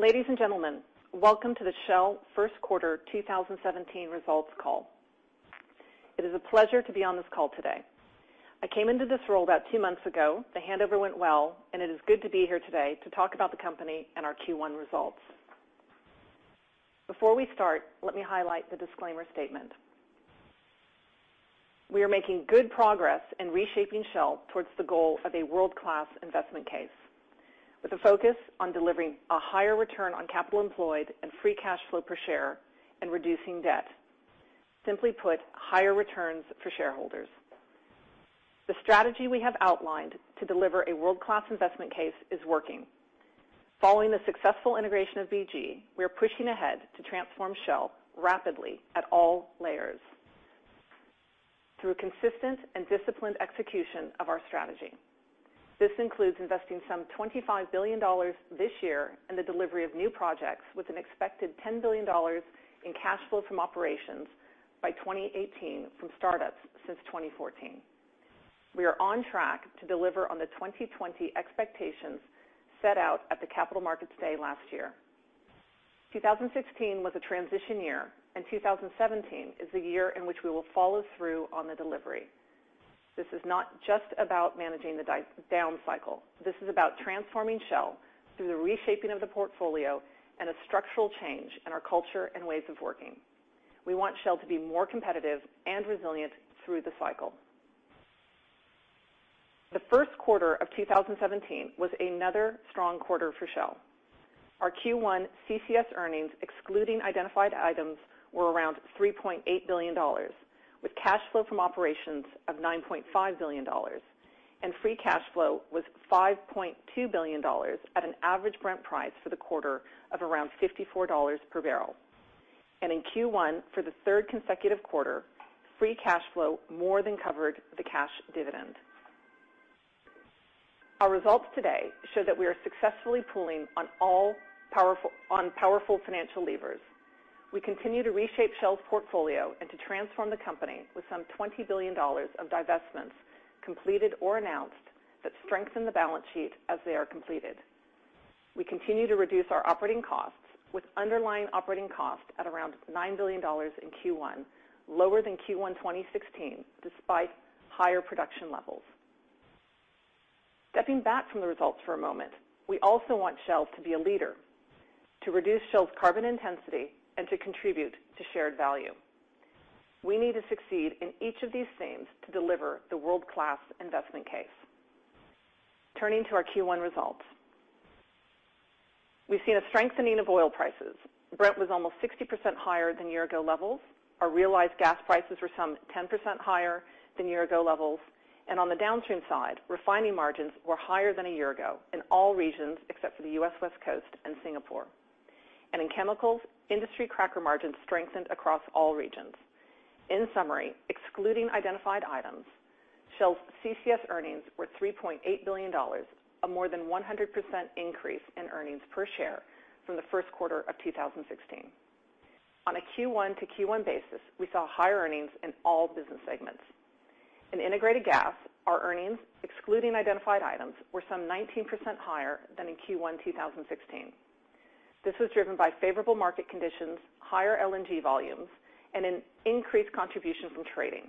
Ladies and gentlemen, welcome to the Shell first quarter 2017 results call. It is a pleasure to be on this call today. I came into this role about two months ago. The handover went well, it is good to be here today to talk about the company and our Q1 results. Before we start, let me highlight the disclaimer statement. We are making good progress in reshaping Shell towards the goal of a world-class investment case, with a focus on delivering a higher return on capital employed and free cash flow per share and reducing debt. Simply put, higher returns for shareholders. The strategy we have outlined to deliver a world-class investment case is working. Following the successful integration of BG, we are pushing ahead to transform Shell rapidly at all layers through consistent and disciplined execution of our strategy. This includes investing some $25 billion this year in the delivery of new projects, with an expected $10 billion in cash flow from operations by 2018 from startups since 2014. We are on track to deliver on the 2020 expectations set out at the Capital Markets Day last year. 2016 was a transition year, 2017 is the year in which we will follow through on the delivery. This is not just about managing the down cycle. This is about transforming Shell through the reshaping of the portfolio and a structural change in our culture and ways of working. We want Shell to be more competitive and resilient through the cycle. The first quarter of 2017 was another strong quarter for Shell. Our Q1 CCS earnings, excluding identified items, were around $3.8 billion, with cash flow from operations of $9.5 billion, free cash flow was $5.2 billion at an average Brent price for the quarter of around $54 per barrel. In Q1, for the third consecutive quarter, free cash flow more than covered the cash dividend. Our results today show that we are successfully pulling on powerful financial levers. We continue to reshape Shell's portfolio and to transform the company with some $20 billion of divestments completed or announced that strengthen the balance sheet as they are completed. We continue to reduce our operating costs with underlying operating costs at around $9 billion in Q1, lower than Q1 2016 despite higher production levels. Stepping back from the results for a moment, we also want Shell to be a leader, to reduce Shell's carbon intensity, and to contribute to shared value. We need to succeed in each of these themes to deliver the world-class investment case. Turning to our Q1 results. We've seen a strengthening of oil prices. Brent was almost 60% higher than year-ago levels. Our realized gas prices were some 10% higher than year-ago levels. On the downstream side, refining margins were higher than a year ago in all regions except for the U.S. West Coast and Singapore. In chemicals, industry cracker margins strengthened across all regions. In summary, excluding identified items, Shell's CCS earnings were $3.8 billion, a more than 100% increase in earnings per share from the first quarter of 2016. On a Q1 to Q1 basis, we saw higher earnings in all business segments. In Integrated Gas, our earnings, excluding identified items, were some 19% higher than in Q1 2016. This was driven by favorable market conditions, higher LNG volumes, and an increased contribution from trading,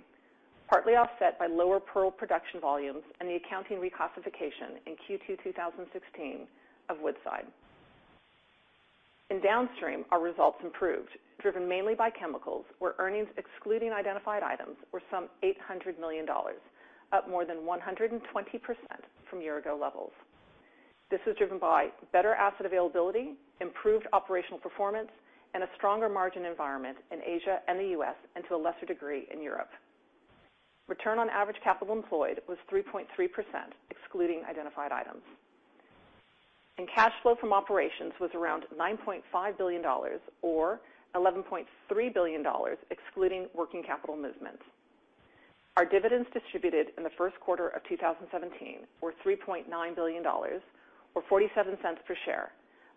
partly offset by lower Pearl production volumes and the accounting reclassification in Q2 2016 of Woodside. In downstream, our results improved, driven mainly by chemicals, where earnings excluding identified items were $800 million, up more than 120% from year-ago levels. This was driven by better asset availability, improved operational performance, and a stronger margin environment in Asia and the U.S., and to a lesser degree in Europe. Return on average capital employed was 3.3%, excluding identified items. Cash flow from operations was $9.5 billion, or $11.3 billion excluding working capital movements. Our dividends distributed in the first quarter of 2017 were $3.9 billion, or $0.47 per share,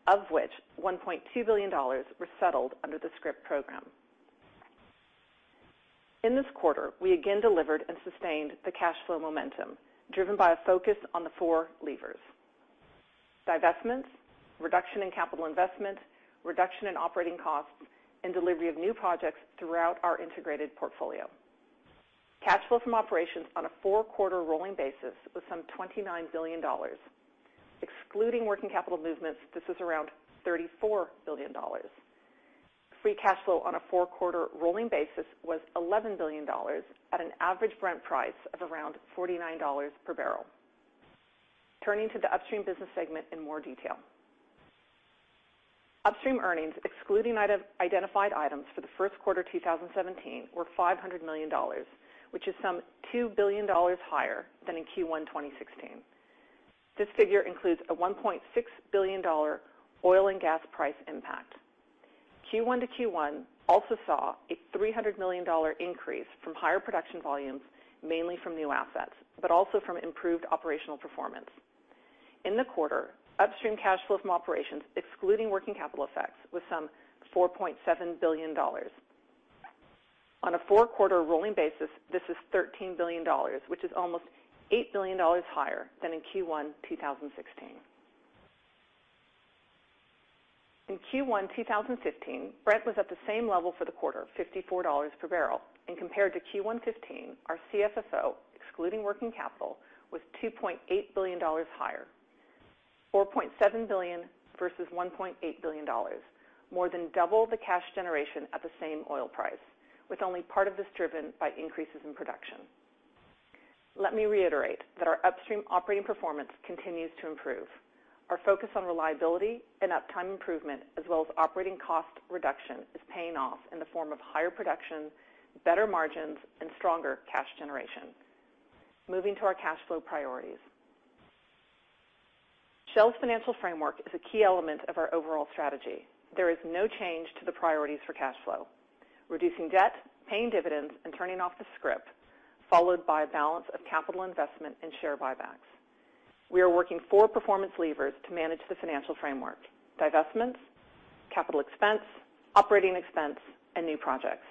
of which $1.2 billion were settled under the scrip program. In this quarter, we again delivered and sustained the cash flow momentum driven by a focus on the four levers. Divestments, reduction in capital investment, reduction in operating costs, and delivery of new projects throughout our integrated portfolio. Cash flow from operations on a four-quarter rolling basis was $29 billion. Excluding working capital movements, this is $34 billion. Free cash flow on a four-quarter rolling basis was $11 billion at an average Brent price of $49 per barrel. Turning to the Upstream business segment in more detail. Upstream earnings excluding identified items for the first quarter 2017 were $500 million, which is $2 billion higher than in Q1 2016. This figure includes a $1.6 billion oil and gas price impact. Q1 to Q1 also saw a $300 million increase from higher production volumes, mainly from new assets, but also from improved operational performance. In the quarter, Upstream cash flow from operations excluding working capital effects was $4.7 billion. On a four-quarter rolling basis, this is $13 billion, which is $8 billion higher than in Q1 2016. In Q1 2015, Brent was at the same level for the quarter, $54 per barrel. Compared to Q1 '15, our CFSO, excluding working capital, was $2.8 billion higher, $4.7 billion versus $1.8 billion, more than double the cash generation at the same oil price, with only part of this driven by increases in production. Let me reiterate that our Upstream operating performance continues to improve. Our focus on reliability and uptime improvement, as well as operating cost reduction, is paying off in the form of higher production, better margins, and stronger cash generation. Moving to our cash flow priorities. Shell's financial framework is a key element of our overall strategy. There is no change to the priorities for cash flow. Reducing debt, paying dividends, and turning off the scrip, followed by a balance of capital investment and share buybacks. We are working four performance levers to manage the financial framework, divestments, CapEx, OpEx, and new projects.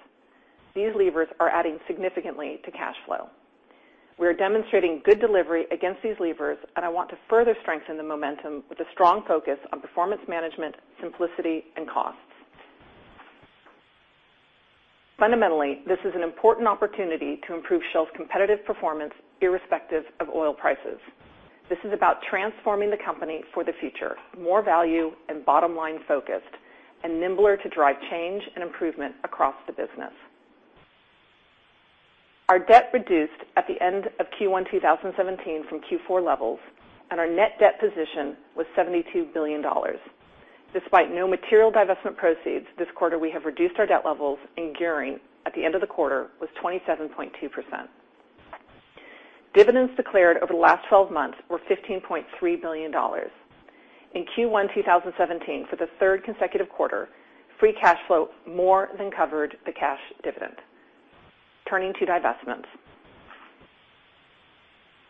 These levers are adding significantly to cash flow. We are demonstrating good delivery against these levers, and I want to further strengthen the momentum with a strong focus on performance management, simplicity, and costs. Fundamentally, this is an important opportunity to improve Shell's competitive performance irrespective of oil prices. This is about transforming the company for the future, more value and bottom-line focused, and nimbler to drive change and improvement across the business. Our debt reduced at the end of Q1 2017 from Q4 levels, and our net debt position was $72 billion. Despite no material divestment proceeds, this quarter we have reduced our debt levels and gearing at the end of the quarter was 27.2%. Dividends declared over the last 12 months were $15.3 billion. In Q1 2017, for the third consecutive quarter, free cash flow more than covered the cash dividend. Turning to divestments.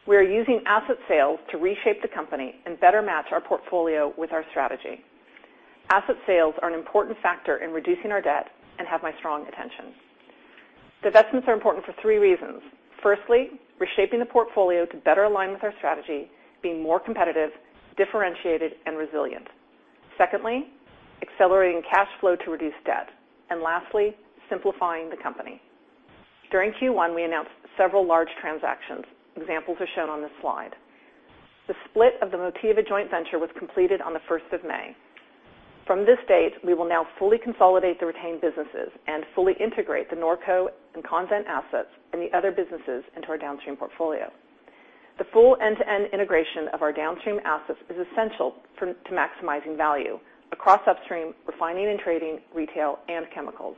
We are using asset sales to reshape the company and better match our portfolio with our strategy. Asset sales are an important factor in reducing our debt and have my strong attention. Divestments are important for three reasons. Firstly, reshaping the portfolio to better align with our strategy, being more competitive, differentiated, and resilient. Secondly, accelerating cash flow to reduce debt. Lastly, simplifying the company. During Q1, we announced several large transactions. Examples are shown on this slide. The split of the Motiva joint venture was completed on the 1st of May. From this date, we will now fully consolidate the retained businesses and fully integrate the Norco and Convent assets and the other businesses into our Downstream portfolio. The full end-to-end integration of our Downstream assets is essential to maximizing value across Upstream, refining and trading, retail, and chemicals.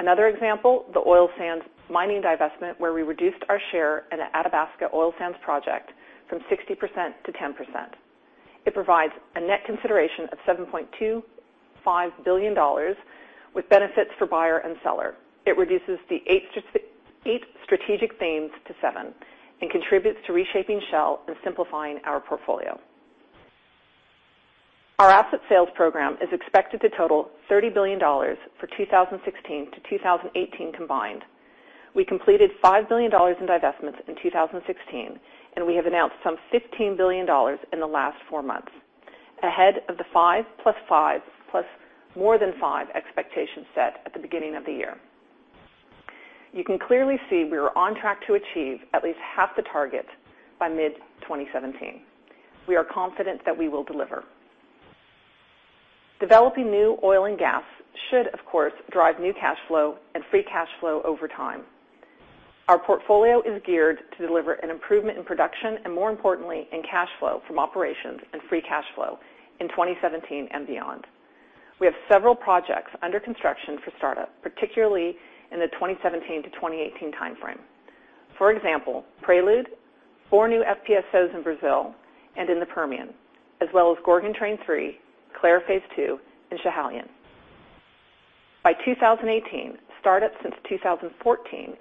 Another example, the oil sands mining divestment, where we reduced our share in an Athabasca oil sands project from 60% to 10%. It provides a net consideration of $7.25 billion with benefits for buyer and seller. It reduces the eight strategic themes to seven and contributes to reshaping Shell and simplifying our portfolio. Our asset sales program is expected to total $30 billion for 2016 to 2018 combined. We completed $5 billion in divestments in 2016. We have announced some $15 billion in the last four months, ahead of the five plus five plus more than five expectations set at the beginning of the year. You can clearly see we are on track to achieve at least half the target by mid-2017. We are confident that we will deliver. Developing new oil and gas should, of course, drive new cash flow and free cash flow over time. Our portfolio is geared to deliver an improvement in production and, more importantly, in cash flow from operations and free cash flow in 2017 and beyond. We have several projects under construction for startup, particularly in the 2017 to 2018 timeframe. For example, Prelude, four new FPSOs in Brazil and in the Permian, as well as Gorgon Train 3, Clair Phase 2, and Schiehallion. By 2018, startups since 2014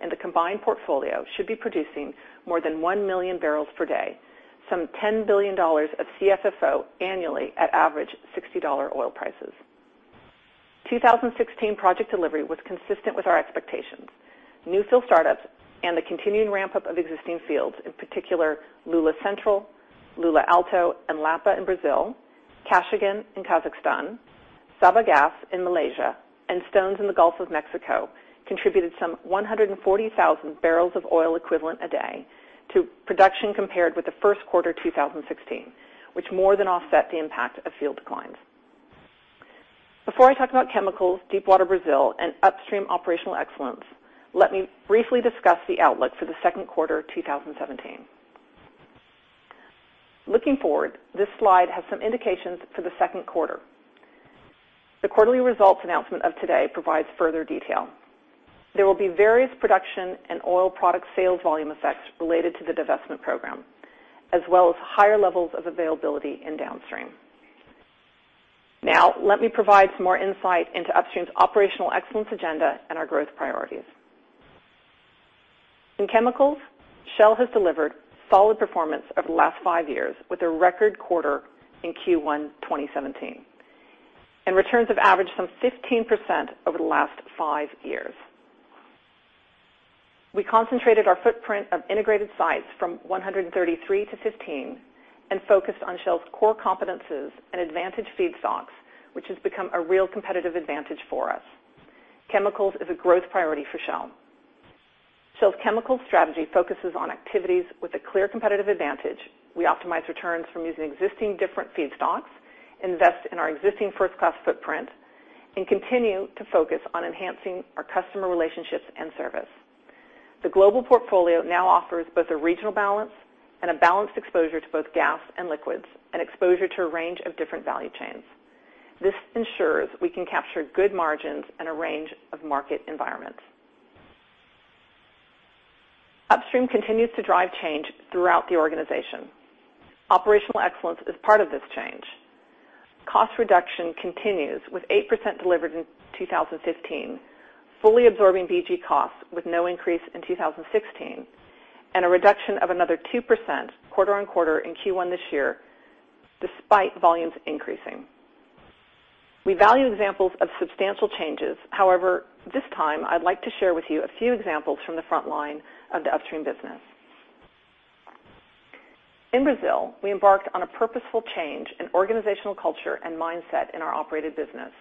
and the combined portfolio should be producing more than one million barrels per day, some $10 billion of CFSO annually at average $60 oil prices. 2016 project delivery was consistent with our expectations. New fill startups and the continuing ramp-up of existing fields, in particular Lula Central, Lula Alto, and Lapa in Brazil, Kashagan in Kazakhstan, Sabah Gas in Malaysia, and Stones in the Gulf of Mexico contributed some 140,000 barrels of oil equivalent a day to production compared with the first quarter 2016, which more than offset the impact of field declines. Before I talk about chemicals, Deepwater Brazil, and Upstream operational excellence, let me briefly discuss the outlook for the second quarter 2017. Looking forward, this slide has some indications for the second quarter. The quarterly results announcement of today provides further detail. There will be various production and oil product sales volume effects related to the divestment program, as well as higher levels of availability in Downstream. Let me provide some more insight into Upstream's operational excellence agenda and our growth priorities. In chemicals, Shell has delivered solid performance over the last five years with a record quarter in Q1 2017, and returns have averaged some 15% over the last five years. We concentrated our footprint of integrated sites from 133 to 15 and focused on Shell's core competencies and advantage feedstocks, which has become a real competitive advantage for us. Chemicals is a growth priority for Shell. Shell's chemical strategy focuses on activities with a clear competitive advantage. We optimize returns from using existing different feedstocks, invest in our existing first-class footprint, and continue to focus on enhancing our customer relationships and service. The global portfolio now offers both a regional balance and a balanced exposure to both gas and liquids, exposure to a range of different value chains. This ensures we can capture good margins in a range of market environments. Upstream continues to drive change throughout the organization. Operational excellence is part of this change. Cost reduction continues with 8% delivered in 2015, fully absorbing BG costs with no increase in 2016, and a reduction of another 2% quarter on quarter in Q1 this year, despite volumes increasing. We value examples of substantial changes. This time, I'd like to share with you a few examples from the front line of the upstream business. In Brazil, we embarked on a purposeful change in organizational culture and mindset in our operated business,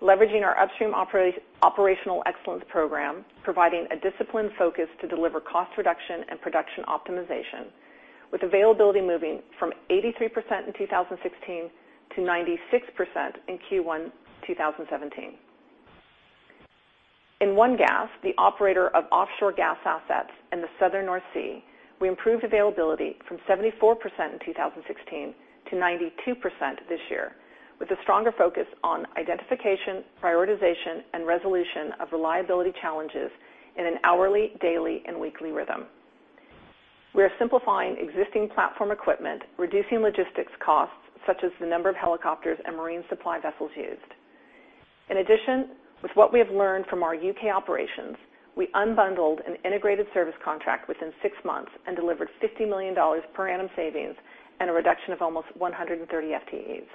leveraging our upstream operational excellence program, providing a disciplined focus to deliver cost reduction and production optimization, with availability moving from 83% in 2016 to 96% in Q1 2017. In ONEgas, the operator of offshore gas assets in the southern North Sea, we improved availability from 74% in 2016 to 92% this year, with a stronger focus on identification, prioritization, and resolution of reliability challenges in an hourly, daily, and weekly rhythm. We are simplifying existing platform equipment, reducing logistics costs such as the number of helicopters and marine supply vessels used. In addition, with what we have learned from our U.K. operations, we unbundled an integrated service contract within six months and delivered $50 million per annum savings and a reduction of almost 130 FTEs.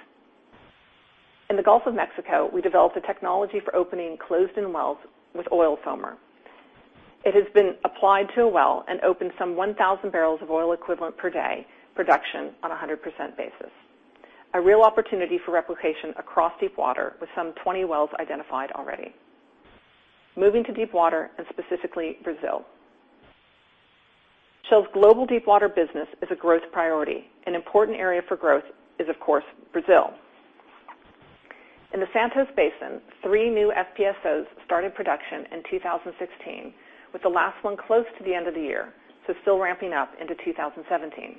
In the Gulf of Mexico, we developed a technology for opening closed-in wells with oil foamer. It has been applied to a well and opened some 1,000 barrels of oil equivalent per day production on 100% basis. A real opportunity for replication across deep water with some 20 wells identified already. Moving to deep water and specifically Brazil. Shell's global deep water business is a growth priority. An important area for growth is, of course, Brazil. In the Santos Basin, three new FPSOs started production in 2016, with the last one close to the end of the year, so still ramping up into 2017.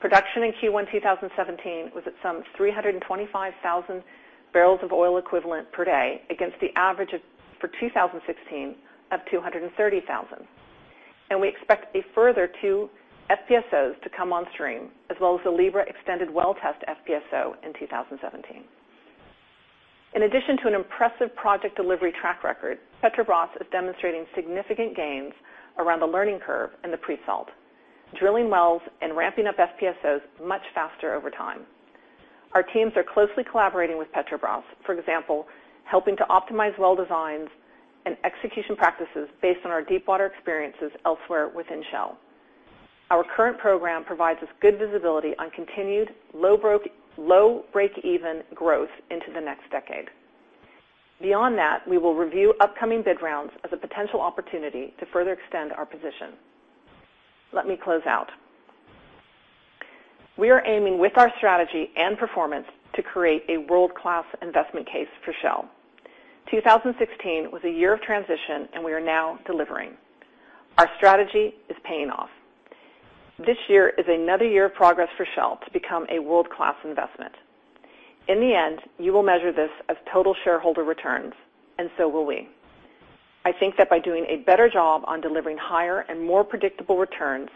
Production in Q1 2017 was at some 325,000 barrels of oil equivalent per day against the average for 2016 of 230,000. We expect a further two FPSOs to come on stream, as well as the Libra extended well test FPSO in 2017. In addition to an impressive project delivery track record, Petrobras is demonstrating significant gains around the learning curve in the pre-salt, drilling wells and ramping up FPSOs much faster over time. Our teams are closely collaborating with Petrobras, for example, helping to optimize well designs and execution practices based on our deep water experiences elsewhere within Shell. Our current program provides us good visibility on continued low break-even growth into the next decade. Beyond that, we will review upcoming bid rounds as a potential opportunity to further extend our position. Let me close out. We are aiming with our strategy and performance to create a world-class investment case for Shell. 2016 was a year of transition, and we are now delivering. Our strategy is paying off. This year is another year of progress for Shell to become a world-class investment. In the end, you will measure this as total shareholder returns, and so will we. I think that by doing a better job on delivering higher and more predictable returns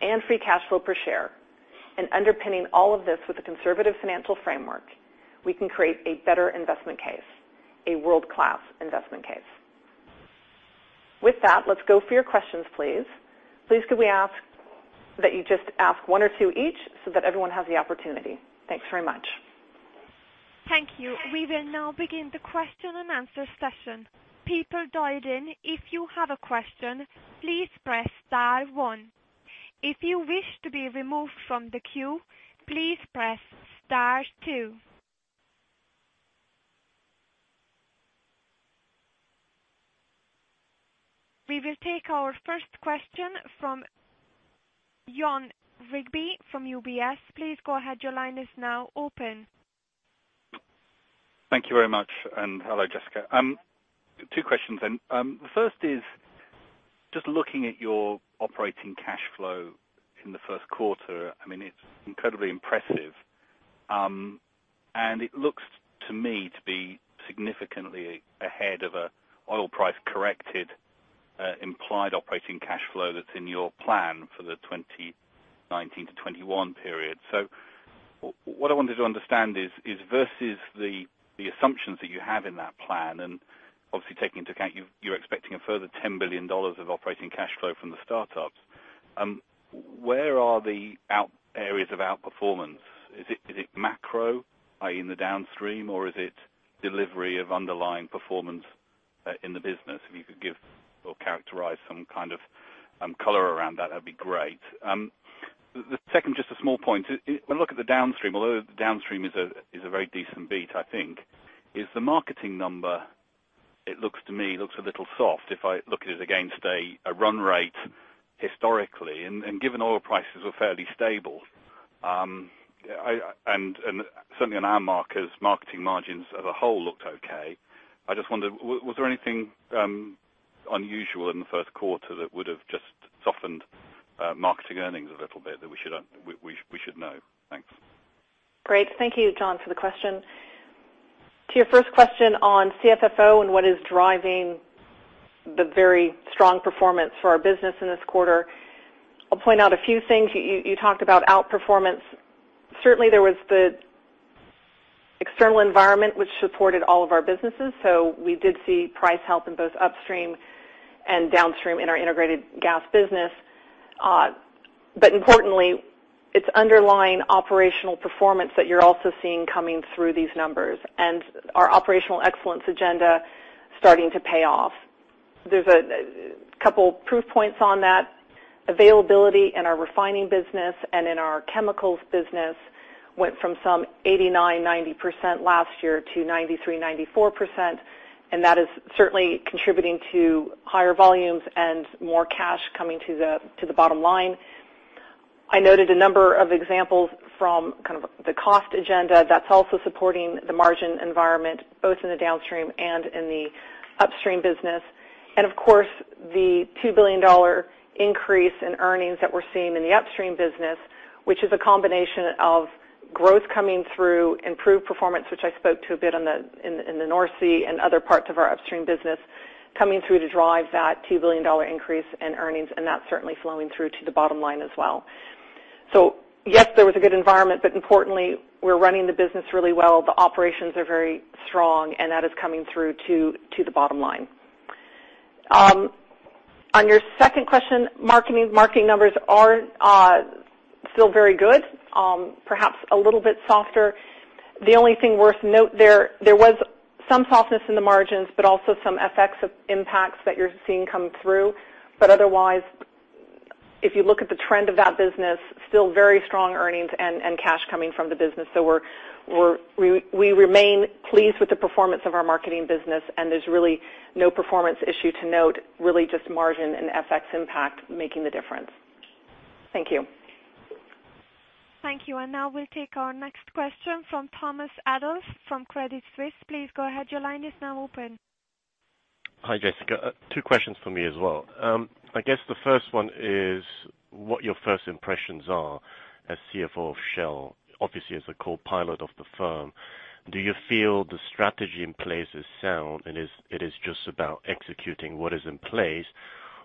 and free cash flow per share, and underpinning all of this with a conservative financial framework, we can create a better investment case, a world-class investment case. With that, let's go for your questions, please. Please, could we ask that you just ask one or two each so that everyone has the opportunity. Thanks very much. Thank you. We will now begin the question and answer session. People dialed in, if you have a question, please press star one. If you wish to be removed from the queue, please press star two. We will take our first question from Jon Rigby from UBS. Please go ahead. Your line is now open. Thank you very much. Hello, Jessica. Two questions then. The first is just looking at your operating cash flow in the first quarter. It's incredibly impressive. It looks to me to be significantly ahead of an oil price corrected implied operating cash flow that's in your plan for the 2019-2021 period. What I wanted to understand is versus the assumptions that you have in that plan, and obviously taking into account you're expecting a further $10 billion of operating cash flow from the startups, where are the areas of outperformance? Is it macro, i.e. in the downstream, or is it delivery of underlying performance in the business? If you could give or characterize some kind of color around that'd be great. The second, just a small point. When I look at the downstream, although the downstream is a very decent beat, I think, is the marketing number, it looks to me, looks a little soft if I look at it against a run rate historically, and given oil prices were fairly stable. Certainly on our markers, marketing margins as a whole looked okay. I just wondered, was there anything unusual in the first quarter that would have just softened marketing earnings a little bit that we should know? Thanks. Great. Thank you, Jon, for the question. To your first question on CFFO and what is driving the very strong performance for our business in this quarter, I'll point out a few things. You talked about outperformance. Certainly, there was the external environment, which supported all of our businesses. We did see price help in both upstream and downstream in our integrated gas business. Importantly, it's underlying operational performance that you're also seeing coming through these numbers and our operational excellence agenda starting to pay off. There's a couple proof points on that. Availability in our refining business and in our chemicals business went from some 89%, 90% last year to 93%, 94%, and that is certainly contributing to higher volumes and more cash coming to the bottom line. I noted a number of examples from the cost agenda that's also supporting the margin environment, both in the downstream and in the upstream business. Of course, the $2 billion increase in earnings that we're seeing in the upstream business, which is a combination of growth coming through improved performance, which I spoke to a bit in the North Sea and other parts of our upstream business, coming through to drive that $2 billion increase in earnings, and that's certainly flowing through to the bottom line as well. Yes, there was a good environment, but importantly, we're running the business really well. The operations are very strong, and that is coming through to the bottom line. On your second question, marketing numbers are still very good perhaps a little bit softer. The only thing worth note there was some softness in the margins, but also some effects of impacts that you're seeing come through. Otherwise, if you look at the trend of that business, still very strong earnings and cash coming from the business. We remain pleased with the performance of our marketing business, and there's really no performance issue to note, really just margin and FX impact making the difference. Thank you. Thank you. Now we'll take our next question from Thomas Adolff from Credit Suisse. Please go ahead. Your line is now open. Hi, Jessica. Two questions from me as well. I guess the first one is what your first impressions are as CFO of Shell. Obviously, as a co-pilot of the firm, do you feel the strategy in place is sound, and it is just about executing what is in place?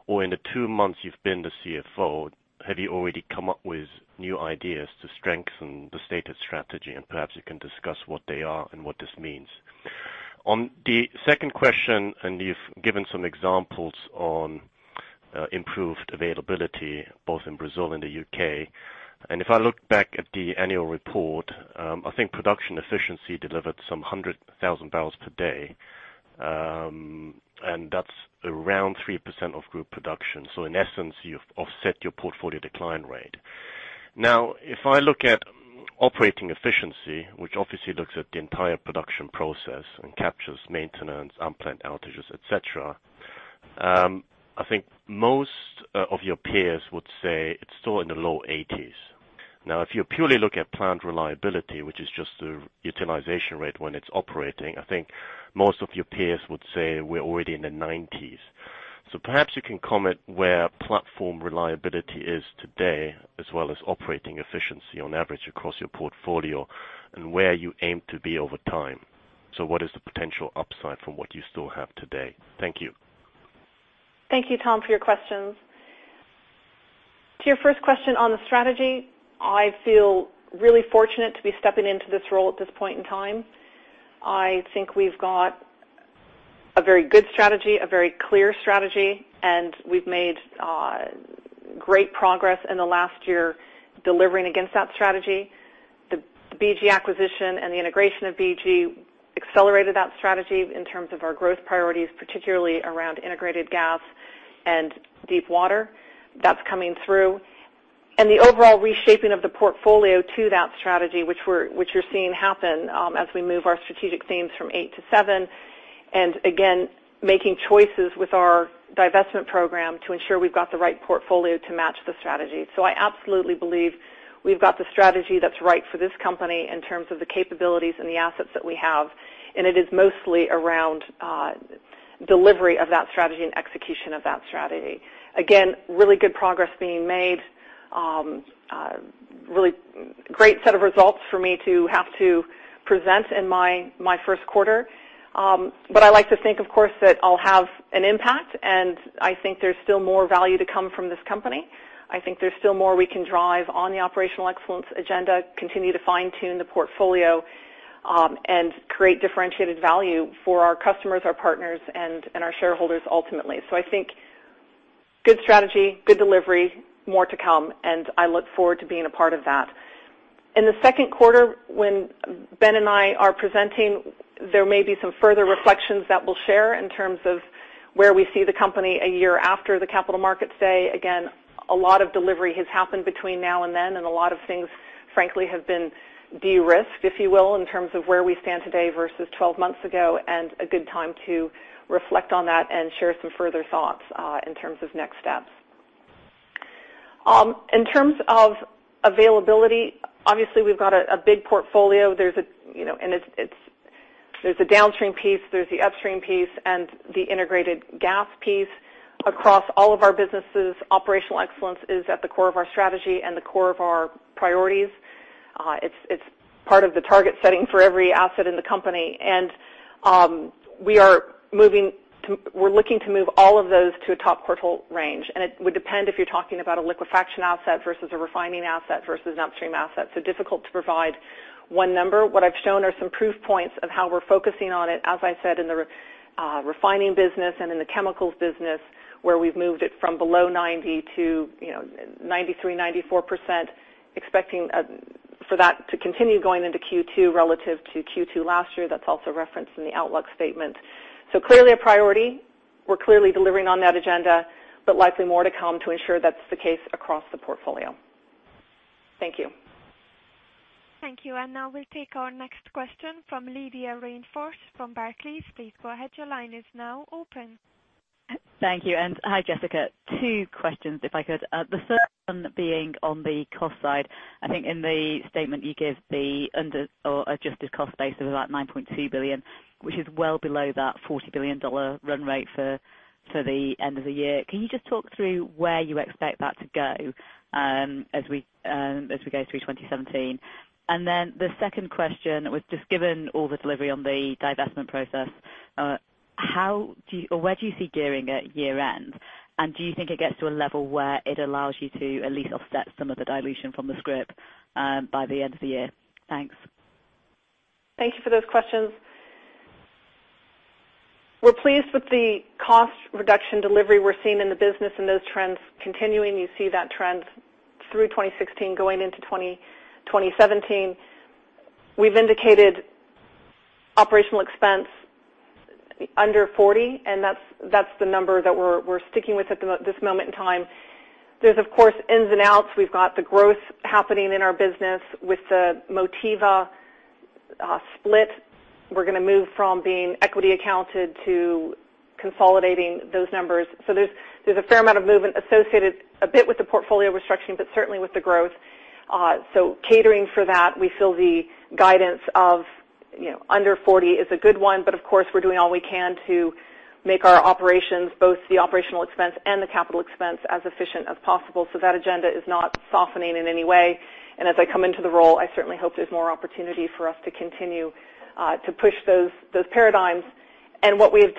In the two months you've been the CFO, have you already come up with new ideas to strengthen the stated strategy? Perhaps you can discuss what they are and what this means. On the second question, you've given some examples on improved availability, both in Brazil and the U.K. If I look back at the annual report, I think production efficiency delivered some 100,000 barrels per day, and that's around 3% of group production. In essence, you've offset your portfolio decline rate. If I look at operating efficiency, which obviously looks at the entire production process and captures maintenance, unplanned outages, et cetera, I think most of your peers would say it's still in the low 80s. If you purely look at plant reliability, which is just the utilization rate when it's operating, I think most of your peers would say we're already in the 90s. Perhaps you can comment where platform reliability is today, as well as operating efficiency on average across your portfolio and where you aim to be over time. What is the potential upside from what you still have today? Thank you. Thank you, Tom, for your questions. To your first question on the strategy, I feel really fortunate to be stepping into this role at this point in time. I think we've got a very good strategy, a very clear strategy, and we've made great progress in the last year delivering against that strategy. The BG acquisition and the integration of BG accelerated that strategy in terms of our growth priorities, particularly around integrated gas and deep water. That's coming through. The overall reshaping of the portfolio to that strategy, which you're seeing happen as we move our strategic themes from eight to seven, again, making choices with our divestment program to ensure we've got the right portfolio to match the strategy. I absolutely believe we've got the strategy that's right for this company in terms of the capabilities and the assets that we have, and it is mostly around delivery of that strategy and execution of that strategy. Again, really good progress being made. Really great set of results for me to have to present in my first quarter. I like to think, of course, that I'll have an impact, and I think there's still more value to come from this company. I think there's still more we can drive on the operational excellence agenda, continue to fine-tune the portfolio, and create differentiated value for our customers, our partners, and our shareholders ultimately. I think good strategy, good delivery, more to come, and I look forward to being a part of that. In the second quarter, when Ben and I are presenting, there may be some further reflections that we'll share in terms of where we see the company a year after the Capital Markets Day. Again, a lot of delivery has happened between now and then, and a lot of things, frankly, have been de-risked, if you will, in terms of where we stand today versus 12 months ago, and a good time to reflect on that and share some further thoughts, in terms of next steps. In terms of availability, obviously, we've got a big portfolio. There's a downstream piece, there's the upstream piece, and the integrated gas piece. Across all of our businesses, operational excellence is at the core of our strategy and the core of our priorities. It's part of the target setting for every asset in the company. We're looking to move all of those to a top quartile range. It would depend if you're talking about a liquefaction asset versus a refining asset versus an upstream asset. Difficult to provide one number. What I've shown are some proof points of how we're focusing on it, as I said, in the refining business and in the chemicals business, where we've moved it from below 90% to 93%, 94%, expecting for that to continue going into Q2 relative to Q2 last year. That's also referenced in the outlook statement. Clearly a priority. We're clearly delivering on that agenda, but likely more to come to ensure that's the case across the portfolio. Thank you. Thank you. Now we'll take our next question from Lydia Rainforth from Barclays. Please go ahead. Your line is now open. Thank you. Hi, Jessica. Two questions, if I could. The first one being on the cost side. I think in the statement you give the under or adjusted cost base of about $9.2 billion, which is well below that $40 billion run rate for the end of the year. Can you just talk through where you expect that to go as we go through 2017? The second question was just given all the delivery on the divestment process, where do you see gearing at year end? Do you think it gets to a level where it allows you to at least offset some of the dilution from the scrip, by the end of the year? Thanks. Thank you for those questions. We're pleased with the cost reduction delivery we're seeing in the business and those trends continuing. You see that trend through 2016 going into 2017. We've indicated operational expense under $40, and that's the number that we're sticking with at this moment in time. There's, of course, ins and outs. We've got the growth happening in our business with the Motiva split. We're going to move from being equity accounted to consolidating those numbers. There's a fair amount of movement associated a bit with the portfolio restructuring, but certainly with the growth. Catering for that, we feel the guidance of under $40 is a good one. Of course, we're doing all we can to make our operations, both the operational expense and the capital expense, as efficient as possible. That agenda is not softening in any way. As I come into the role, I certainly hope there's more opportunity for us to continue to push those paradigms. What we have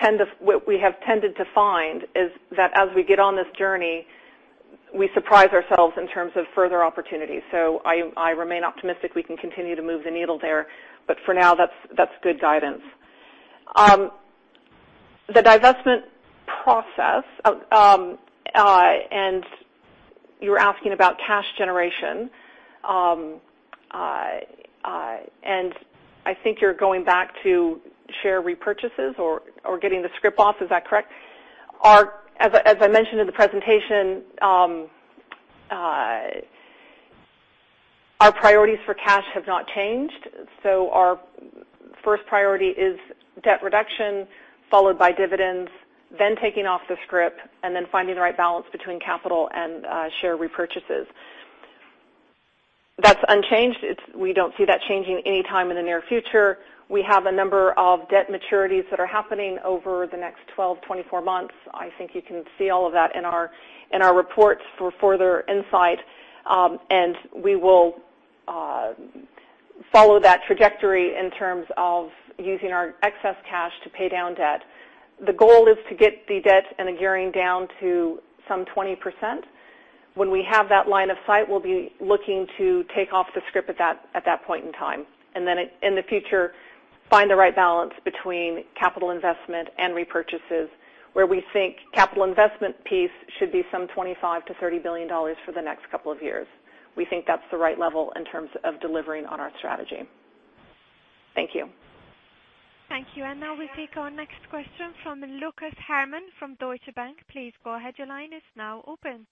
tended to find is that as we get on this journey, we surprise ourselves in terms of further opportunities. I remain optimistic we can continue to move the needle there. For now, that's good guidance. The divestment process, you were asking about cash generation. I think you're going back to share repurchases or getting the scrip off. Is that correct? As I mentioned in the presentation, our priorities for cash have not changed. Our first priority is debt reduction, followed by dividends, then taking off the scrip, and then finding the right balance between capital and share repurchases. That's unchanged. We don't see that changing any time in the near future. We have a number of debt maturities that are happening over the next 12-24 months. I think you can see all of that in our reports for further insight. We will follow that trajectory in terms of using our excess cash to pay down debt. The goal is to get the debt and the gearing down to some 20%. When we have that line of sight, we'll be looking to take off the scrip at that point in time. In the future, find the right balance between capital investment and repurchases, where we think capital investment piece should be some $25 billion-$30 billion for the next couple of years. We think that's the right level in terms of delivering on our strategy. Thank you. Thank you. Now we take our next question from Lucas Herrmann from Deutsche Bank. Please go ahead. Your line is now open.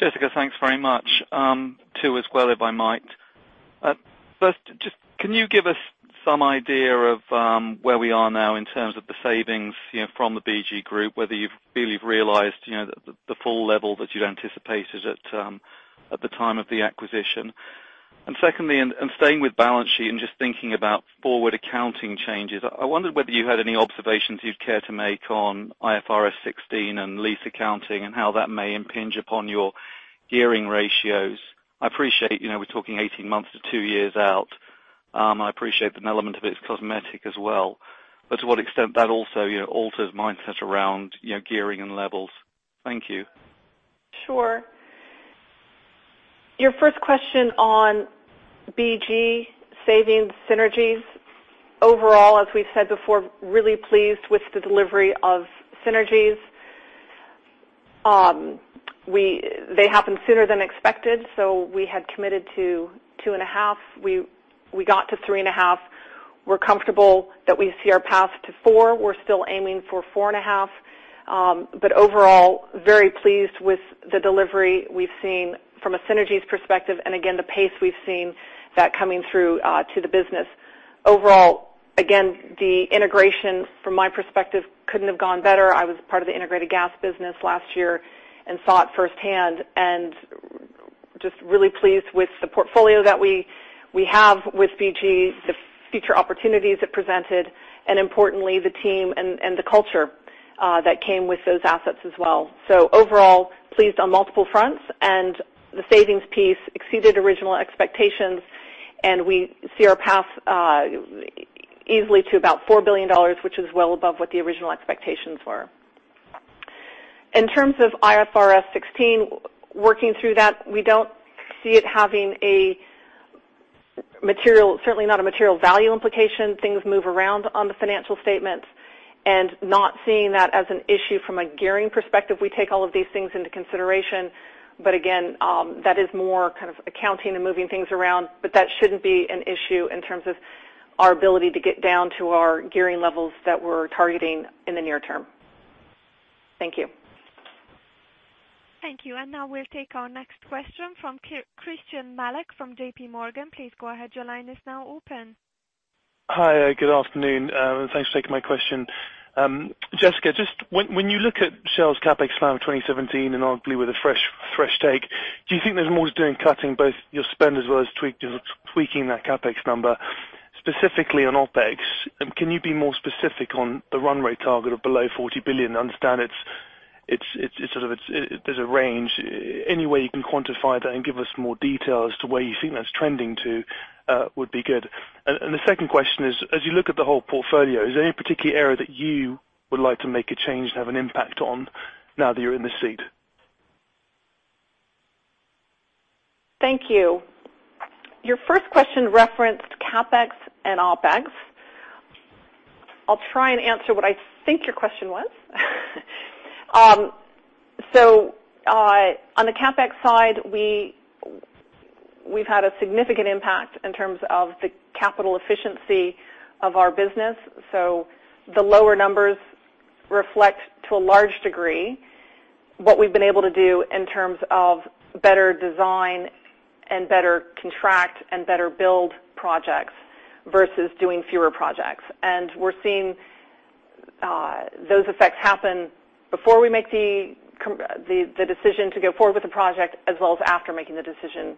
Jessica, thanks very much. Two as well, if I might. First, can you give us some idea of where we are now in terms of the savings from the BG Group, whether you've really realized the full level that you'd anticipated at the time of the acquisition? Secondly, staying with balance sheet and just thinking about forward accounting changes, I wondered whether you had any observations you'd care to make on IFRS 16 and lease accounting and how that may impinge upon your gearing ratios. I appreciate we're talking 18 months to two years out. I appreciate an element of it's cosmetic as well, but to what extent that also alters mindset around gearing and levels. Thank you. Sure. Your first question on BG savings synergies. Overall, as we've said before, really pleased with the delivery of synergies. They happened sooner than expected. We had committed to two and a half. We got to three and a half. We're comfortable that we see our path to four. We're still aiming for four and a half. Overall, very pleased with the delivery we've seen from a synergies perspective, and again, the pace we've seen that coming through to the business. Overall, again, the integration from my perspective couldn't have gone better. I was part of the integrated gas business last year and saw it firsthand, and just really pleased with the portfolio that we have with BG, the future opportunities it presented, and importantly, the team and the culture that came with those assets as well. Overall, pleased on multiple fronts and the savings piece exceeded original expectations, and we see our path easily to about $4 billion, which is well above what the original expectations were. In terms of IFRS 16, working through that, we don't see it having a material, certainly not a material value implication. Things move around on the financial statements, and not seeing that as an issue from a gearing perspective. We take all of these things into consideration. Again, that is more kind of accounting and moving things around. That shouldn't be an issue in terms of our ability to get down to our gearing levels that we're targeting in the near term. Thank you. Thank you. Now we'll take our next question from Christian Malek from JPMorgan. Please go ahead. Your line is now open. Hi. Good afternoon. Thanks for taking my question. Jessica, when you look at Shell's CapEx plan of 2017 and arguably with a fresh take, do you think there's more to doing cutting both your spend as well as tweaking that CapEx number specifically on OpEx? Can you be more specific on the run rate target of below $40 billion? I understand there's a range. Any way you can quantify that and give us more detail as to where you think that's trending to would be good. The second question is, as you look at the whole portfolio, is there any particular area that you would like to make a change to have an impact on now that you're in the seat? Thank you. Your first question referenced CapEx and OpEx. I'll try and answer what I think your question was. On the CapEx side, we've had a significant impact in terms of the capital efficiency of our business. The lower numbers reflect to a large degree what we've been able to do in terms of better design and better contract and better build projects versus doing fewer projects. We're seeing those effects happen before we make the decision to go forward with the project as well as after making the decision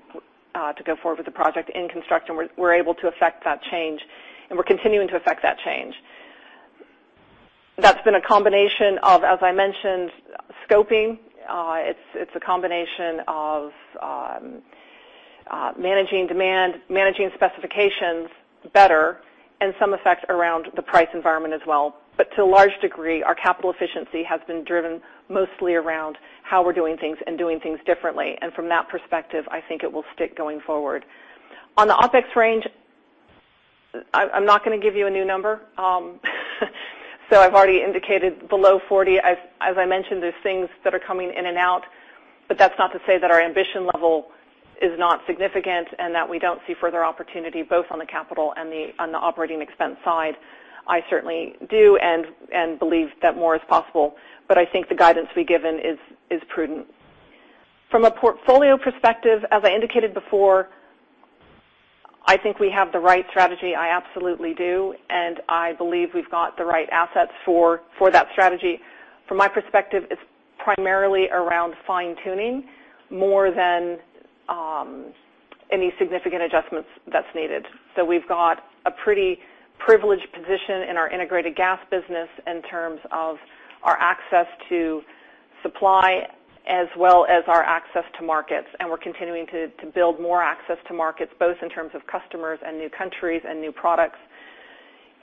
to go forward with the project in construct, and we're able to affect that change, and we're continuing to affect that change. That's been a combination of, as I mentioned, scoping. It's a combination of managing demand, managing specifications better, and some effect around the price environment as well. To a large degree, our capital efficiency has been driven mostly around how we're doing things and doing things differently. From that perspective, I think it will stick going forward. On the OpEx range, I'm not going to give you a new number. I've already indicated below $40 billion. As I mentioned, there's things that are coming in and out, but that's not to say that our ambition level is not significant and that we don't see further opportunity both on the capital and on the operating expense side. I certainly do and believe that more is possible, but I think the guidance we've given is prudent. From a portfolio perspective, as I indicated before, I think we have the right strategy. I absolutely do, and I believe we've got the right assets for that strategy. From my perspective, it's primarily around fine-tuning more than any significant adjustments that's needed. We've got a pretty privileged position in our integrated gas business in terms of our access to supply as well as our access to markets, and we're continuing to build more access to markets, both in terms of customers and new countries and new products.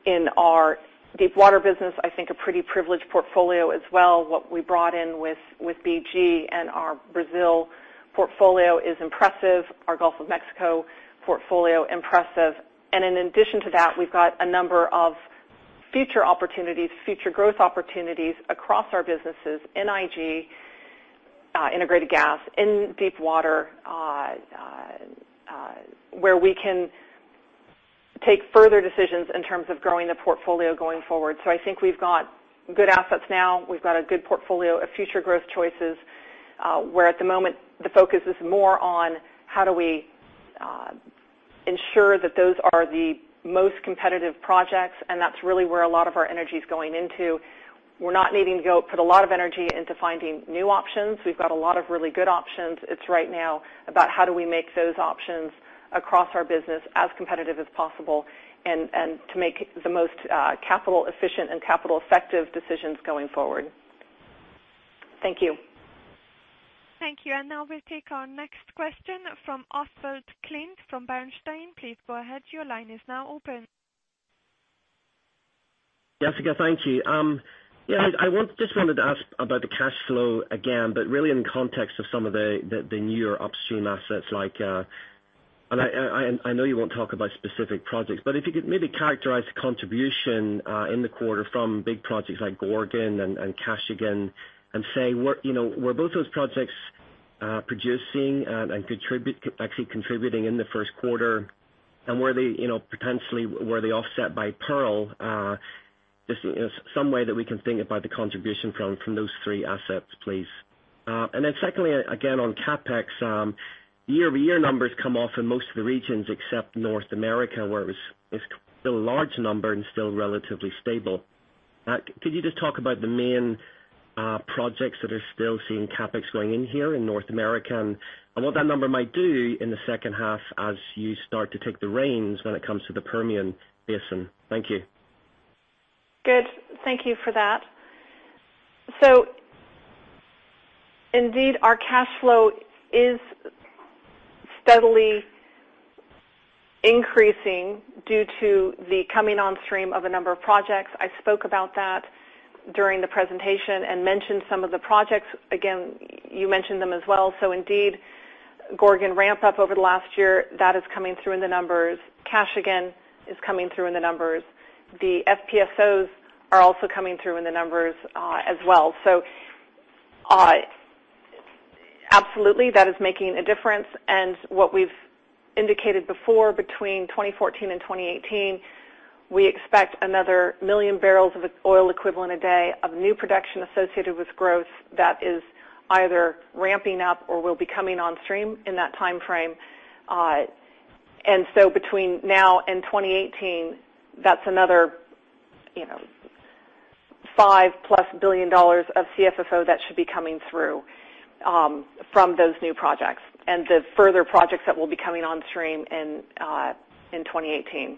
In our deep water business, I think a pretty privileged portfolio as well. What we brought in with BG and our Brazil portfolio is impressive. Our Gulf of Mexico portfolio, impressive. In addition to that, we've got a number of future opportunities, future growth opportunities across our businesses in IG, integrated gas, in deep water, where we can take further decisions in terms of growing the portfolio going forward. I think we've got good assets now. We've got a good portfolio of future growth choices, where at the moment the focus is more on how do we ensure that those are the most competitive projects, that's really where a lot of our energy is going into. We're not needing to go put a lot of energy into finding new options. We've got a lot of really good options. It's right now about how do we make those options across our business as competitive as possible and to make the most capital efficient and capital effective decisions going forward. Thank you. Thank you. Now we'll take our next question from Oswald Clint from Bernstein. Please go ahead. Your line is now open. Jessica, thank you. I just wanted to ask about the cash flow again, but really in context of some of the newer upstream assets. I know you won't talk about specific projects, but if you could maybe characterize the contribution in the quarter from big projects like Gorgon and Kashagan, say, were both those projects producing and actually contributing in the first quarter? Potentially, were they offset by Pearl? Just some way that we can think about the contribution from those three assets, please. Then secondly, again, on CapEx, year-over-year numbers come off in most of the regions except North America, where it was still a large number and still relatively stable. Could you just talk about the main projects that are still seeing CapEx going in here in North America and what that number might do in the second half as you start to take the reins when it comes to the Permian Basin? Thank you. Good. Thank you for that. Indeed, our cash flow is steadily increasing due to the coming on stream of a number of projects. I spoke about that during the presentation and mentioned some of the projects. Again, you mentioned them as well. Indeed, Gorgon ramp up over the last year, that is coming through in the numbers. Kashagan is coming through in the numbers. The FPSOs are also coming through in the numbers as well. Absolutely, that is making a difference. What we've indicated before, between 2014 and 2018, we expect another 1 million barrels of oil equivalent a day of new production associated with growth that is either ramping up or will be coming on stream in that timeframe. Between now and 2018, that's another $5-plus billion of CFFO that should be coming through from those new projects and the further projects that will be coming on stream in 2018.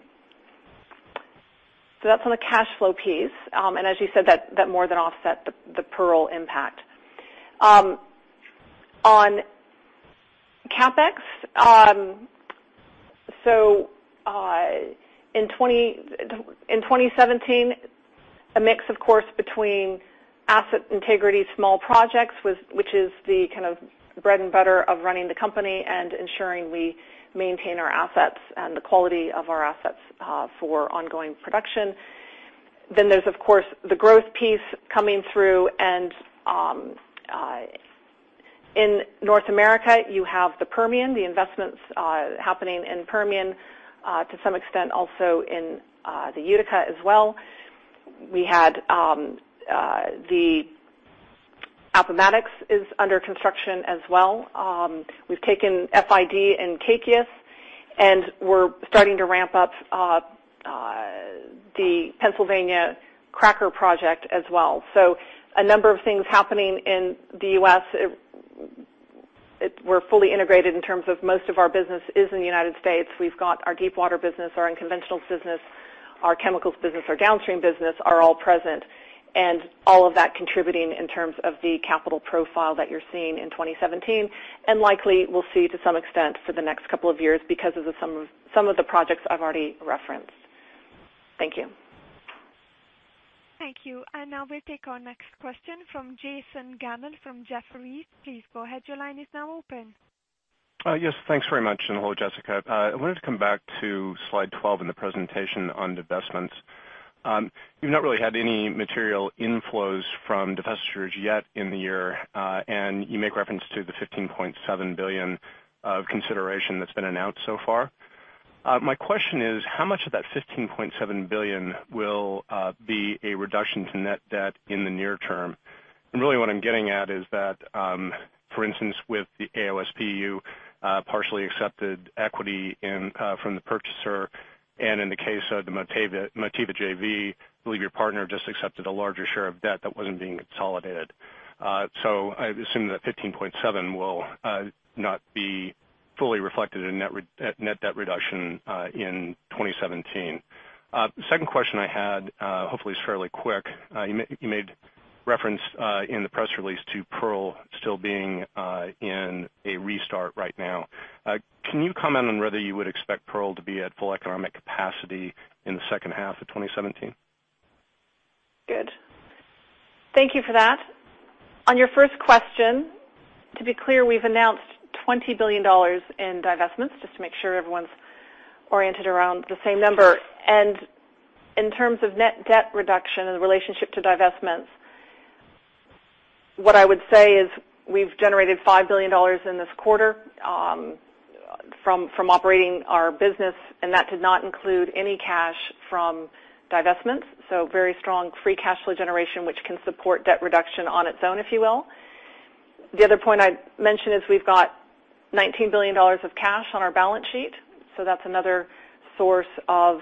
That's on the cash flow piece. As you said, that more than offset the Pearl impact. On CapEx, in 2017, a mix, of course, between asset integrity small projects, which is the kind of bread and butter of running the company and ensuring we maintain our assets and the quality of our assets for ongoing production. Then there's, of course, the growth piece coming through. In North America, you have the Permian, the investments happening in Permian, to some extent also in the Utica as well. We had the Appomattox is under construction as well. We've taken FID in Kaikias, and we're starting to ramp up the Pennsylvania cracker project as well. A number of things happening in the U.S. We're fully integrated in terms of most of our business is in the United States. We've got our deepwater business, our unconventional business, our chemicals business, our downstream business are all present, and all of that contributing in terms of the capital profile that you're seeing in 2017, and likely will see to some extent for the next couple of years because of some of the projects I've already referenced. Thank you. Thank you. Now we'll take our next question from Jason Gammel from Jefferies. Please go ahead. Your line is now open. Yes, thanks very much. Hello, Jessica. I wanted to come back to slide 12 in the presentation on divestments. You've not really had any material inflows from divestitures yet in the year. You make reference to the $15.7 billion of consideration that's been announced so far. My question is, how much of that $15.7 billion will be a reduction to net debt in the near term? Really what I'm getting at is that, for instance, with the AOSP, you partially accepted equity from the purchaser, and in the case of the Motiva JV, I believe your partner just accepted a larger share of debt that wasn't being consolidated. I assume that $15.7 will not be fully reflected in net debt reduction in 2017. Second question I had, hopefully it's fairly quick. You made reference in the press release to Pearl still being in a restart right now. Can you comment on whether you would expect Pearl to be at full economic capacity in the second half of 2017? Good. Thank you for that. On your first question, to be clear, we've announced $20 billion in divestments, just to make sure everyone's oriented around the same number. In terms of net debt reduction in relationship to divestments, what I would say is we've generated $5 billion in this quarter from operating our business, and that did not include any cash from divestments. Very strong free cash flow generation, which can support debt reduction on its own, if you will. The other point I'd mention is we've got $19 billion of cash on our balance sheet. That's another source of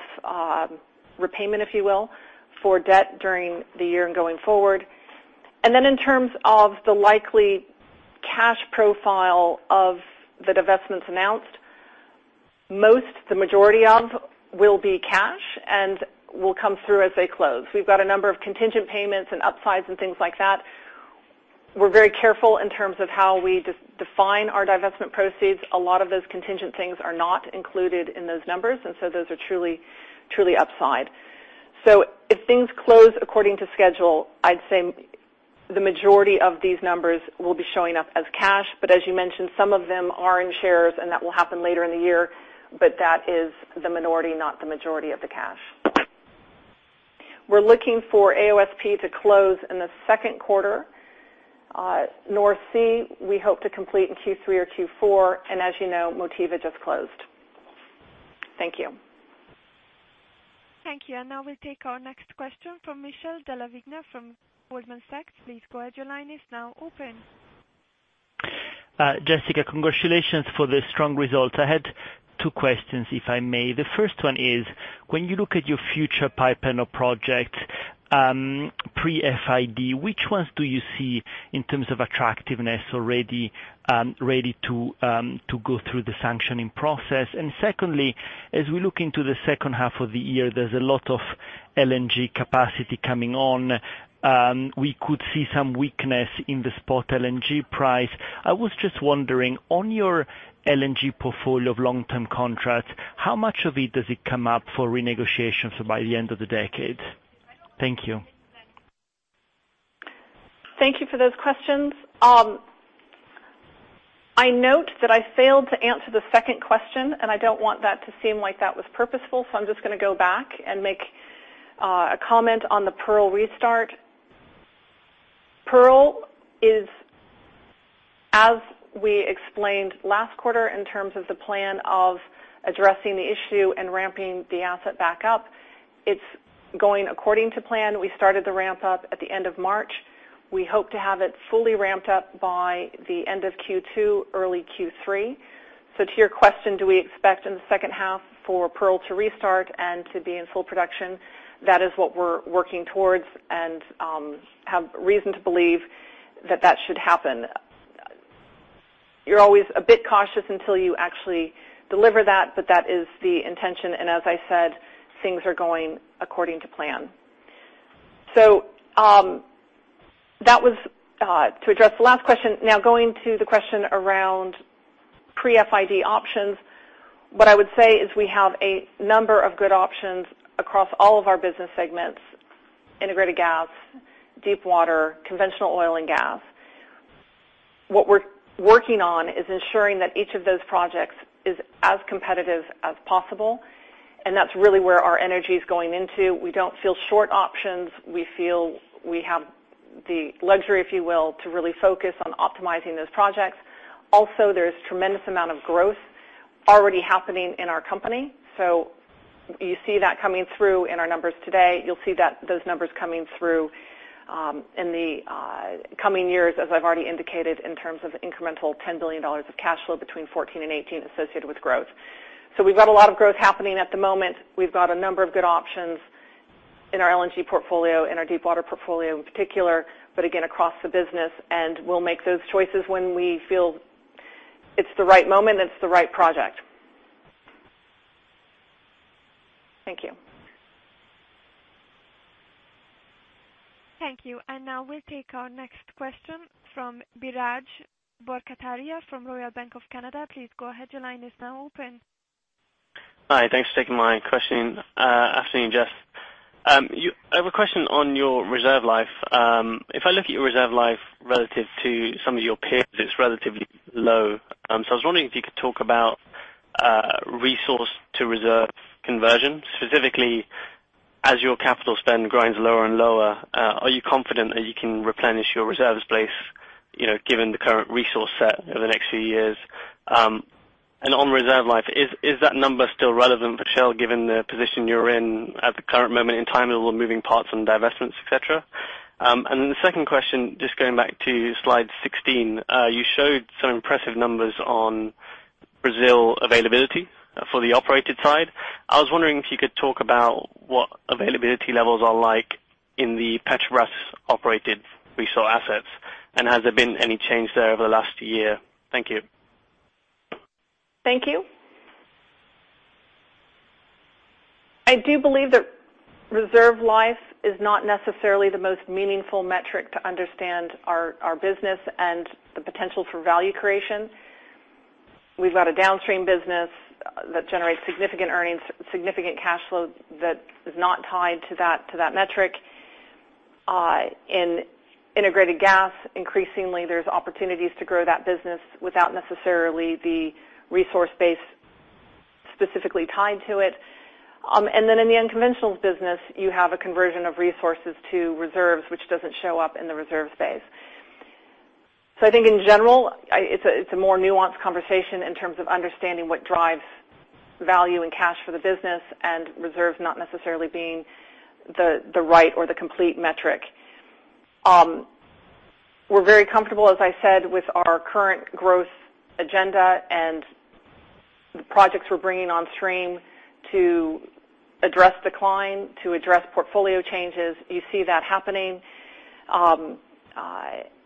repayment, if you will, for debt during the year and going forward. Then in terms of the likely cash profile of the divestments announced Most, the majority of, will be cash and will come through as they close. We've got a number of contingent payments and upsides and things like that. We're very careful in terms of how we define our divestment proceeds. A lot of those contingent things are not included in those numbers, and so those are truly upside. If things close according to schedule, I'd say the majority of these numbers will be showing up as cash. As you mentioned, some of them are in shares and that will happen later in the year. That is the minority, not the majority of the cash. We're looking for AOSP to close in the second quarter. North Sea, we hope to complete in Q3 or Q4, and as you know, Motiva just closed. Thank you. Thank you. Now we'll take our next question from Michele Della Vigna from Goldman Sachs. Please go ahead. Your line is now open. Jessica, congratulations for the strong results. I had two questions, if I may. The first one is: when you look at your future pipeline of projects, pre-FID, which ones do you see in terms of attractiveness ready to go through the sanctioning process? Secondly, as we look into the second half of the year, there's a lot of LNG capacity coming on. We could see some weakness in the spot LNG price. I was just wondering, on your LNG portfolio of long-term contracts, how much of it does it come up for renegotiation by the end of the decade? Thank you. Thank you for those questions. I note that I failed to answer the second question, and I don't want that to seem like that was purposeful, so I'm just going to go back and make a comment on the Pearl restart. Pearl is, as we explained last quarter, in terms of the plan of addressing the issue and ramping the asset back up, it's going according to plan. We started the ramp up at the end of March. We hope to have it fully ramped up by the end of Q2, early Q3. To your question, do we expect in the second half for Pearl to restart and to be in full production? That is what we're working towards and have reason to believe that that should happen. You're always a bit cautious until you actually deliver that is the intention. As I said, things are going according to plan. That was to address the last question. Going to the question around pre-FID options. What I would say is we have a number of good options across all of our business segments: Integrated Gas, deep water, conventional oil and gas. What we're working on is ensuring that each of those projects is as competitive as possible, and that's really where our energy is going into. We don't feel short options. We feel we have the luxury, if you will, to really focus on optimizing those projects. There's tremendous amount of growth already happening in our company. You see that coming through in our numbers today. You'll see those numbers coming through in the coming years as I've already indicated in terms of incremental $10 billion of cash flow between 2014 and 2018 associated with growth. We've got a lot of growth happening at the moment. We've got a number of good options in our LNG portfolio, in our deep water portfolio in particular, but again, across the business, and we'll make those choices when we feel it's the right moment, it's the right project. Thank you. Thank you. Now we'll take our next question from Biraj Borkhataria from Royal Bank of Canada. Please go ahead. Your line is now open. Hi, thanks for taking my question. Afternoon, Jess. I have a question on your reserve life. If I look at your reserve life relative to some of your peers, it's relatively low. I was wondering if you could talk about resource to reserve conversion, specifically as your capital spend grinds lower and lower, are you confident that you can replenish your reserves base given the current resource set over the next few years? On reserve life, is that number still relevant for Shell given the position you're in at the current moment in time with all the moving parts and divestments, et cetera? The second question, just going back to slide 16. You showed some impressive numbers on Brazil availability for the operated side. I was wondering if you could talk about what availability levels are like in the Petrobras-operated Brazil assets. Has there been any change there over the last year? Thank you. Thank you. I do believe that reserve life is not necessarily the most meaningful metric to understand our business and the potential for value creation. We've got a downstream business that generates significant earnings, significant cash flow that is not tied to that metric. In integrated gas, increasingly, there's opportunities to grow that business without necessarily the resource base specifically tied to it. In the unconventional business, you have a conversion of resources to reserves, which doesn't show up in the reserve space. I think in general, it's a more nuanced conversation in terms of understanding what drives value and cash for the business and reserves not necessarily being the right or the complete metric. We're very comfortable, as I said, with our current growth agenda and the projects we're bringing on stream to address decline to address portfolio changes. You see that happening.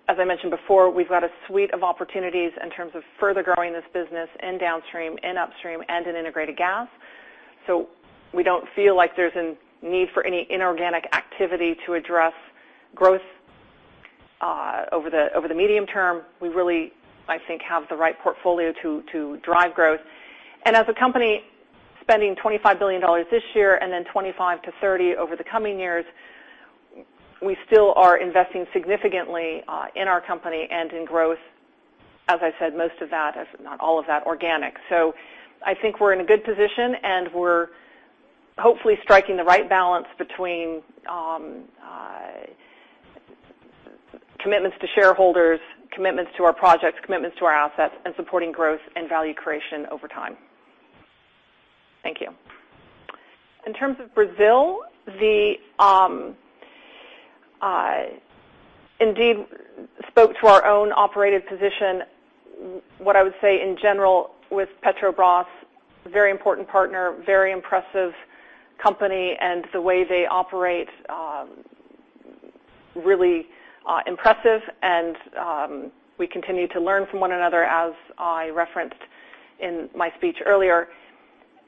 As I mentioned before, we've got a suite of opportunities in terms of further growing this business in downstream, in upstream, and in integrated gas. We don't feel like there's a need for any inorganic activity to address growth over the medium term. We really, I think, have the right portfolio to drive growth. As a company spending $25 billion this year and then $25 billion-$30 billion over the coming years, we still are investing significantly in our company and in growth. As I said, most of that, if not all of that, organic. I think we're in a good position, and we're hopefully striking the right balance between commitments to shareholders, commitments to our projects, commitments to our assets, and supporting growth and value creation over time. Thank you. In terms of Brazil, indeed spoke to our own operated position. What I would say in general with Petrobras, very important partner, very impressive company, and the way they operate, really impressive. We continue to learn from one another as I referenced in my speech earlier.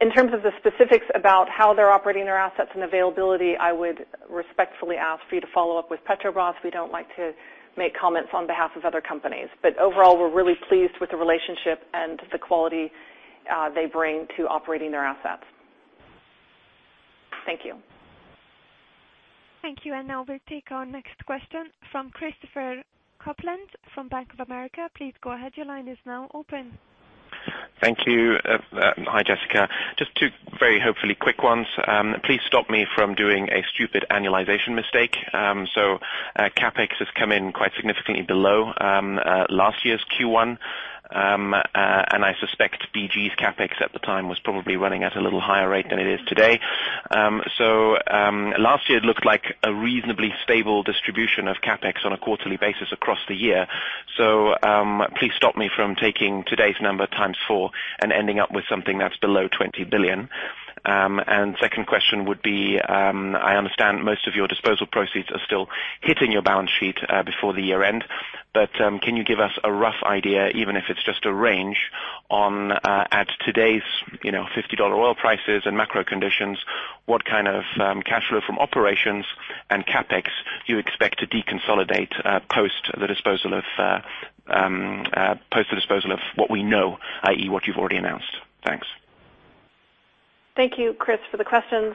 In terms of the specifics about how they're operating their assets and availability, I would respectfully ask for you to follow up with Petrobras. We don't like to make comments on behalf of other companies. Overall, we're really pleased with the relationship and the quality they bring to operating their assets. Thank you. Thank you. Now we'll take our next question from Christopher Kuplent from Bank of America. Please go ahead. Your line is now open. Thank you. Hi, Jessica. Just two very hopefully quick ones. Please stop me from doing a stupid annualization mistake. CapEx has come in quite significantly below last year's Q1. I suspect BG's CapEx at the time was probably running at a little higher rate than it is today. Last year it looked like a reasonably stable distribution of CapEx on a quarterly basis across the year. Please stop me from taking today's number times four and ending up with something that's below $20 billion. Second question would be, I understand most of your disposal proceeds are still hitting your balance sheet before the year end, can you give us a rough idea, even if it's just a range on at today's $50 oil prices and macro conditions, what kind of cash flow from operations and CapEx do you expect to deconsolidate post the disposal of what we know, i.e. what you've already announced? Thanks. Thank you, Chris, for the questions.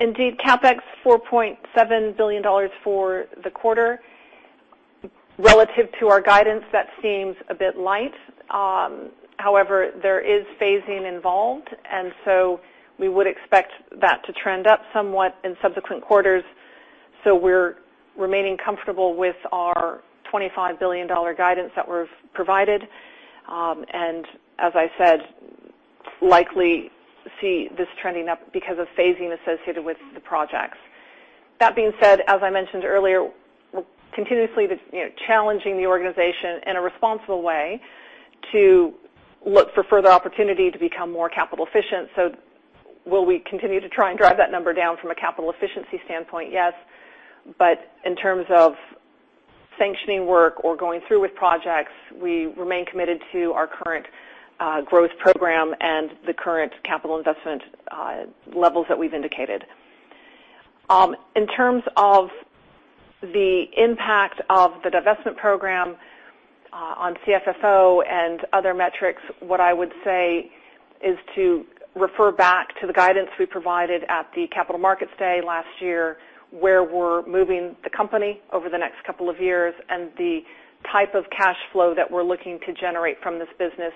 Indeed, CapEx $4.7 billion for the quarter. Relative to our guidance, that seems a bit light. However, there is phasing involved, we would expect that to trend up somewhat in subsequent quarters. We're remaining comfortable with our $25 billion guidance that we've provided. As I said, likely see this trending up because of phasing associated with the projects. That being said, as I mentioned earlier, we're continuously challenging the organization in a responsible way to look for further opportunity to become more capital efficient. Will we continue to try and drive that number down from a capital efficiency standpoint? Yes. In terms of sanctioning work or going through with projects, we remain committed to our current growth program and the current capital investment levels that we've indicated. In terms of the impact of the divestment program on CFFO and other metrics, what I would say is to refer back to the guidance we provided at the Capital Markets Day last year, where we're moving the company over the next couple of years, and the type of cash flow that we're looking to generate from this business,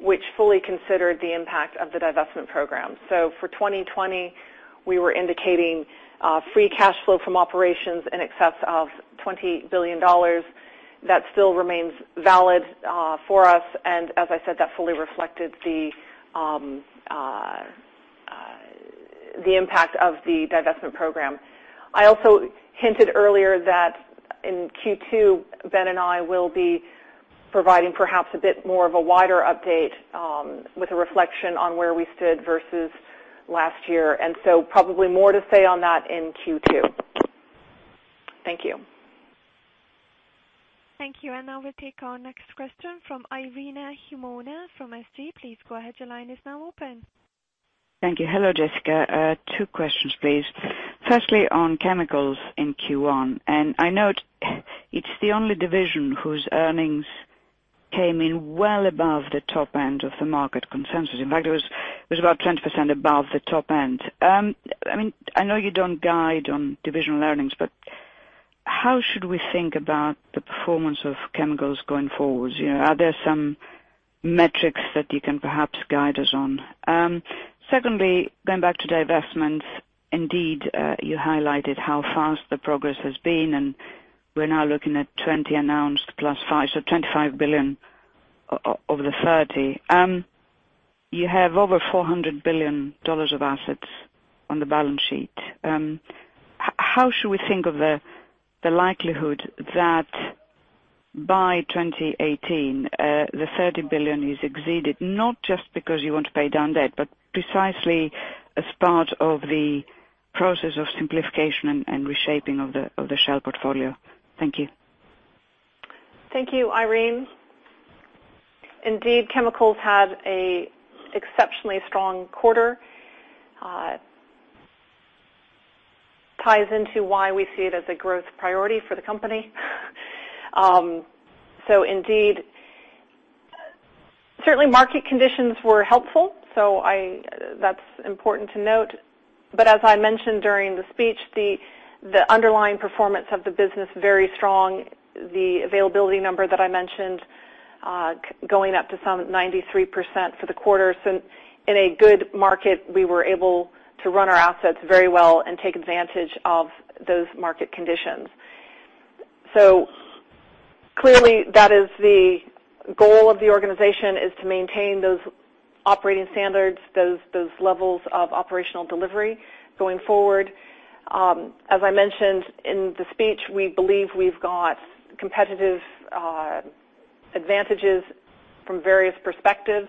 which fully considered the impact of the divestment program. For 2020, we were indicating free cash flow from operations in excess of $20 billion. That still remains valid for us. As I said, that fully reflected the impact of the divestment program. I also hinted earlier that in Q2, Ben and I will be providing perhaps a bit more of a wider update with a reflection on where we stood versus last year. Probably more to say on that in Q2. Thank you. Thank you. Now we'll take our next question from Irene Himona from SG. Please go ahead. Your line is now open. Thank you. Hello, Jessica. Two questions, please. Firstly, on chemicals in Q1, I know it's the only division whose earnings came in well above the top end of the market consensus. In fact, it was about 20% above the top end. I know you don't guide on divisional earnings, how should we think about the performance of chemicals going forward? Are there some metrics that you can perhaps guide us on? Secondly, going back to divestments, indeed, you highlighted how fast the progress has been, we're now looking at 20 announced plus 5, so $25 billion over the $30 billion. You have over $400 billion of assets on the balance sheet. How should we think of the likelihood that by 2018, the $30 billion is exceeded, not just because you want to pay down debt, precisely as part of the process of simplification and reshaping of the Shell portfolio. Thank you. Thank you, Irene. Indeed, chemicals had a exceptionally strong quarter. Ties into why we see it as a growth priority for the company. Indeed, certainly market conditions were helpful, so that's important to note. As I mentioned during the speech, the underlying performance of the business, very strong. The availability number that I mentioned, going up to some 93% for the quarter. In a good market, we were able to run our assets very well and take advantage of those market conditions. Clearly, that is the goal of the organization, is to maintain those operating standards, those levels of operational delivery going forward. As I mentioned in the speech, we believe we've got competitive advantages from various perspectives.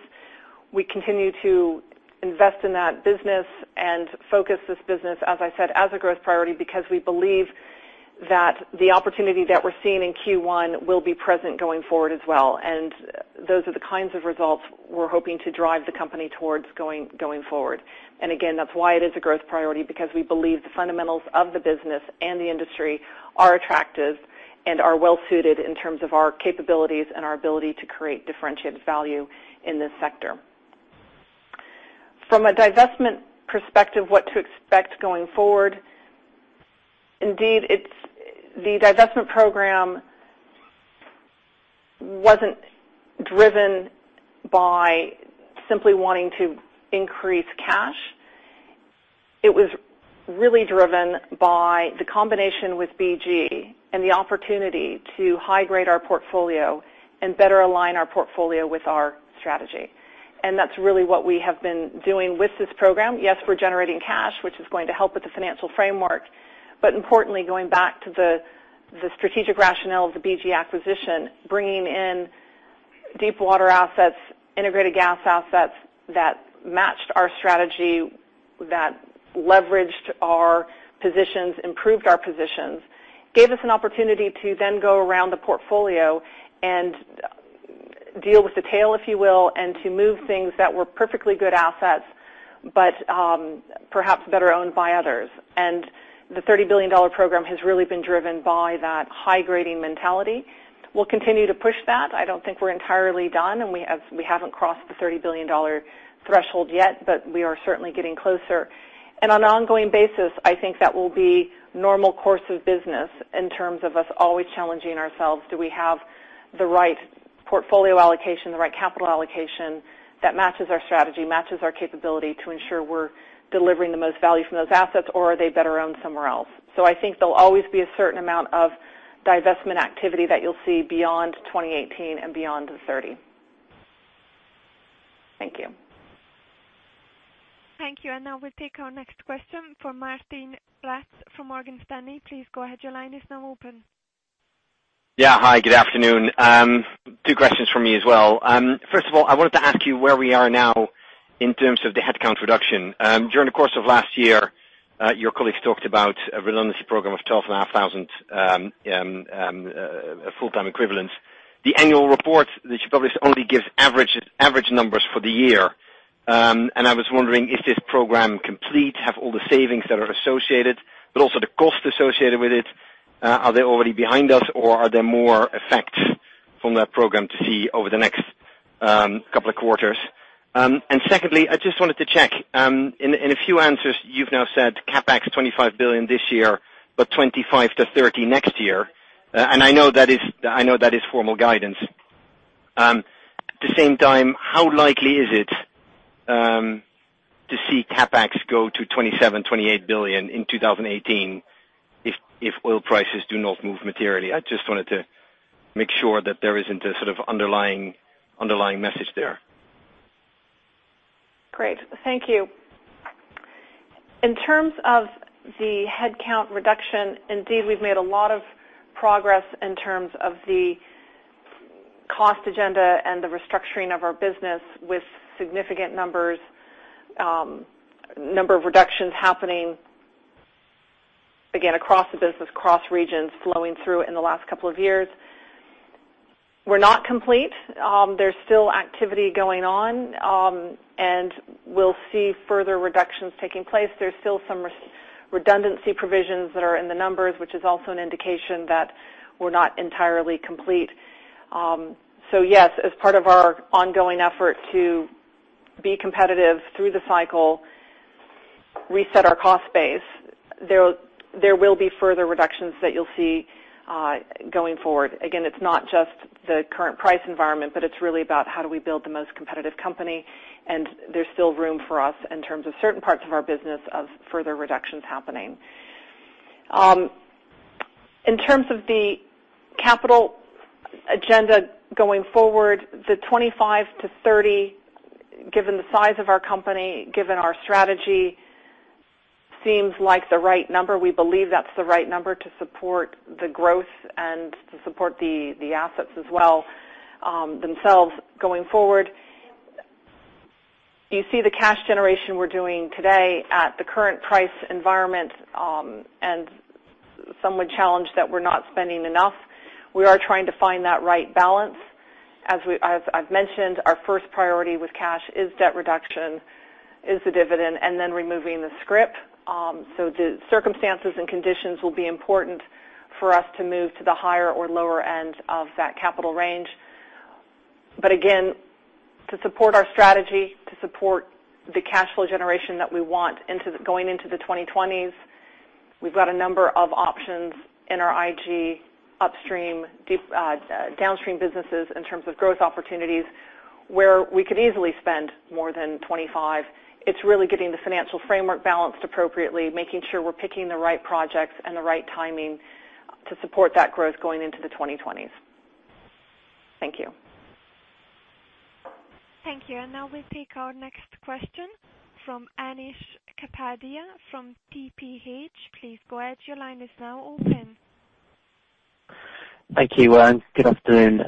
We continue to invest in that business and focus this business, as I said, as a growth priority because we believe that the opportunity that we're seeing in Q1 will be present going forward as well. Those are the kinds of results we're hoping to drive the company towards going forward. Again, that's why it is a growth priority, because we believe the fundamentals of the business and the industry are attractive and are well-suited in terms of our capabilities and our ability to create differentiated value in this sector. From a divestment perspective, what to expect going forward. Indeed, the divestment program wasn't driven by simply wanting to increase cash. It was really driven by the combination with BG and the opportunity to high-grade our portfolio and better align our portfolio with our strategy. That's really what we have been doing with this program. Yes, we're generating cash, which is going to help with the financial framework. Importantly, going back to the strategic rationale of the BG acquisition, bringing in deep-water assets, integrated gas assets that matched our strategy, that leveraged our positions, improved our positions, gave us an opportunity to then go around the portfolio and deal with the tail, if you will, and to move things that were perfectly good assets, but perhaps better owned by others. The $30 billion program has really been driven by that high-grading mentality. We'll continue to push that. I don't think we're entirely done, and we haven't crossed the $30 billion threshold yet, but we are certainly getting closer. On an ongoing basis, I think that will be normal course of business in terms of us always challenging ourselves. Do we have the right portfolio allocation, the right capital allocation that matches our strategy, matches our capability to ensure we're delivering the most value from those assets, or are they better owned somewhere else? I think there'll always be a certain amount of divestment activity that you'll see beyond 2018 and beyond the 30. Thank you. Thank you. Now we'll take our next question from Martijn Rats from Morgan Stanley. Please go ahead. Your line is now open. Yeah. Hi, good afternoon. Two questions from me as well. First of all, I wanted to ask you where we are now in terms of the headcount reduction. During the course of last year, your colleagues talked about a redundancy program of 12,500 full-time equivalents. The annual report that you published only gives average numbers for the year. I was wondering, is this program complete? Have all the savings that are associated, but also the cost associated with it, are they already behind us, or are there more effects from that program to see over the next couple of quarters? Secondly, I just wanted to check. In a few answers, you've now said CapEx $25 billion this year, but $25 billion to $30 billion next year. I know that is formal guidance. At the same time, how likely is it to see CapEx go to $27 billion, $28 billion in 2018 if oil prices do not move materially? I just wanted to make sure that there isn't a sort of underlying message there. Great. Thank you. In terms of the headcount reduction, indeed, we've made a lot of progress in terms of the cost agenda and the restructuring of our business with significant number of reductions happening, again, across the business, across regions, flowing through in the last couple of years. We're not complete. There's still activity going on, we'll see further reductions taking place. There's still some redundancy provisions that are in the numbers, which is also an indication that we're not entirely complete. Yes, as part of our ongoing effort to be competitive through the cycle, reset our cost base, there will be further reductions that you'll see going forward. Again, it's not just the current price environment, but it's really about how do we build the most competitive company, there's still room for us in terms of certain parts of our business of further reductions happening. In terms of the capital agenda going forward, the $25-$30, given the size of our company, given our strategy, seems like the right number. We believe that's the right number to support the growth and to support the assets as well themselves going forward. You see the cash generation we're doing today at the current price environment, some would challenge that we're not spending enough. We are trying to find that right balance. As I've mentioned, our first priority with cash is debt reduction, is the dividend, and then removing the scrip. The circumstances and conditions will be important for us to move to the higher or lower end of that capital range. Again, to support our strategy, to support the cash flow generation that we want going into the 2020s, we've got a number of options in our IG upstream, downstream businesses in terms of growth opportunities, where we could easily spend more than $25. It's really getting the financial framework balanced appropriately, making sure we're picking the right projects and the right timing to support that growth going into the 2020s. Thank you. Thank you. Now we take our next question from Anish Kapadia from TPH. Please go ahead. Your line is now open. Thank you. Good afternoon.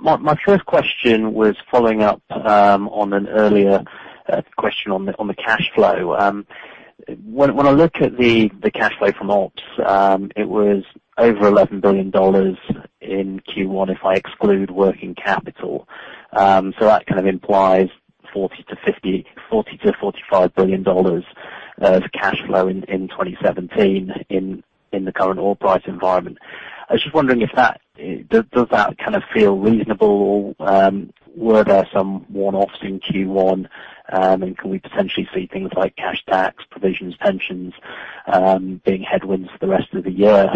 My first question was following up on an earlier question on the cash flow. When I look at the cash flow from ops, it was over $11 billion in Q1 if I exclude working capital. That kind of implies $40 billion-$45 billion of cash flow in 2017 in the current oil price environment. I was just wondering, does that kind of feel reasonable, or were there some one-offs in Q1, and can we potentially see things like cash tax provisions, pensions being headwinds for the rest of the year?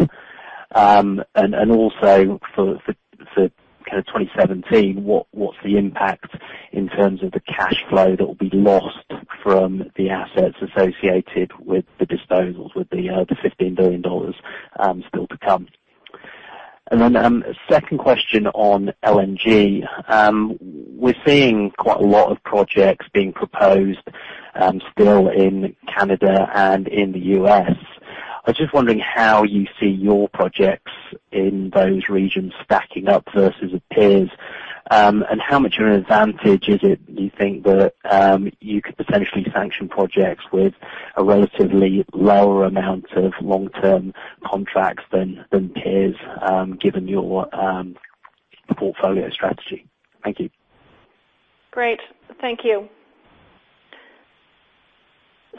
Also for 2017, what's the impact in terms of the cash flow that will be lost from the assets associated with the disposals with the $15 billion still to come? Then, second question on LNG. We're seeing quite a lot of projects being proposed still in Canada and in the U.S. I was just wondering how you see your projects in those regions stacking up versus your peers. How much of an advantage is it, do you think, that you could potentially sanction projects with a relatively lower amount of long-term contracts than peers given your portfolio strategy? Thank you. Great. Thank you.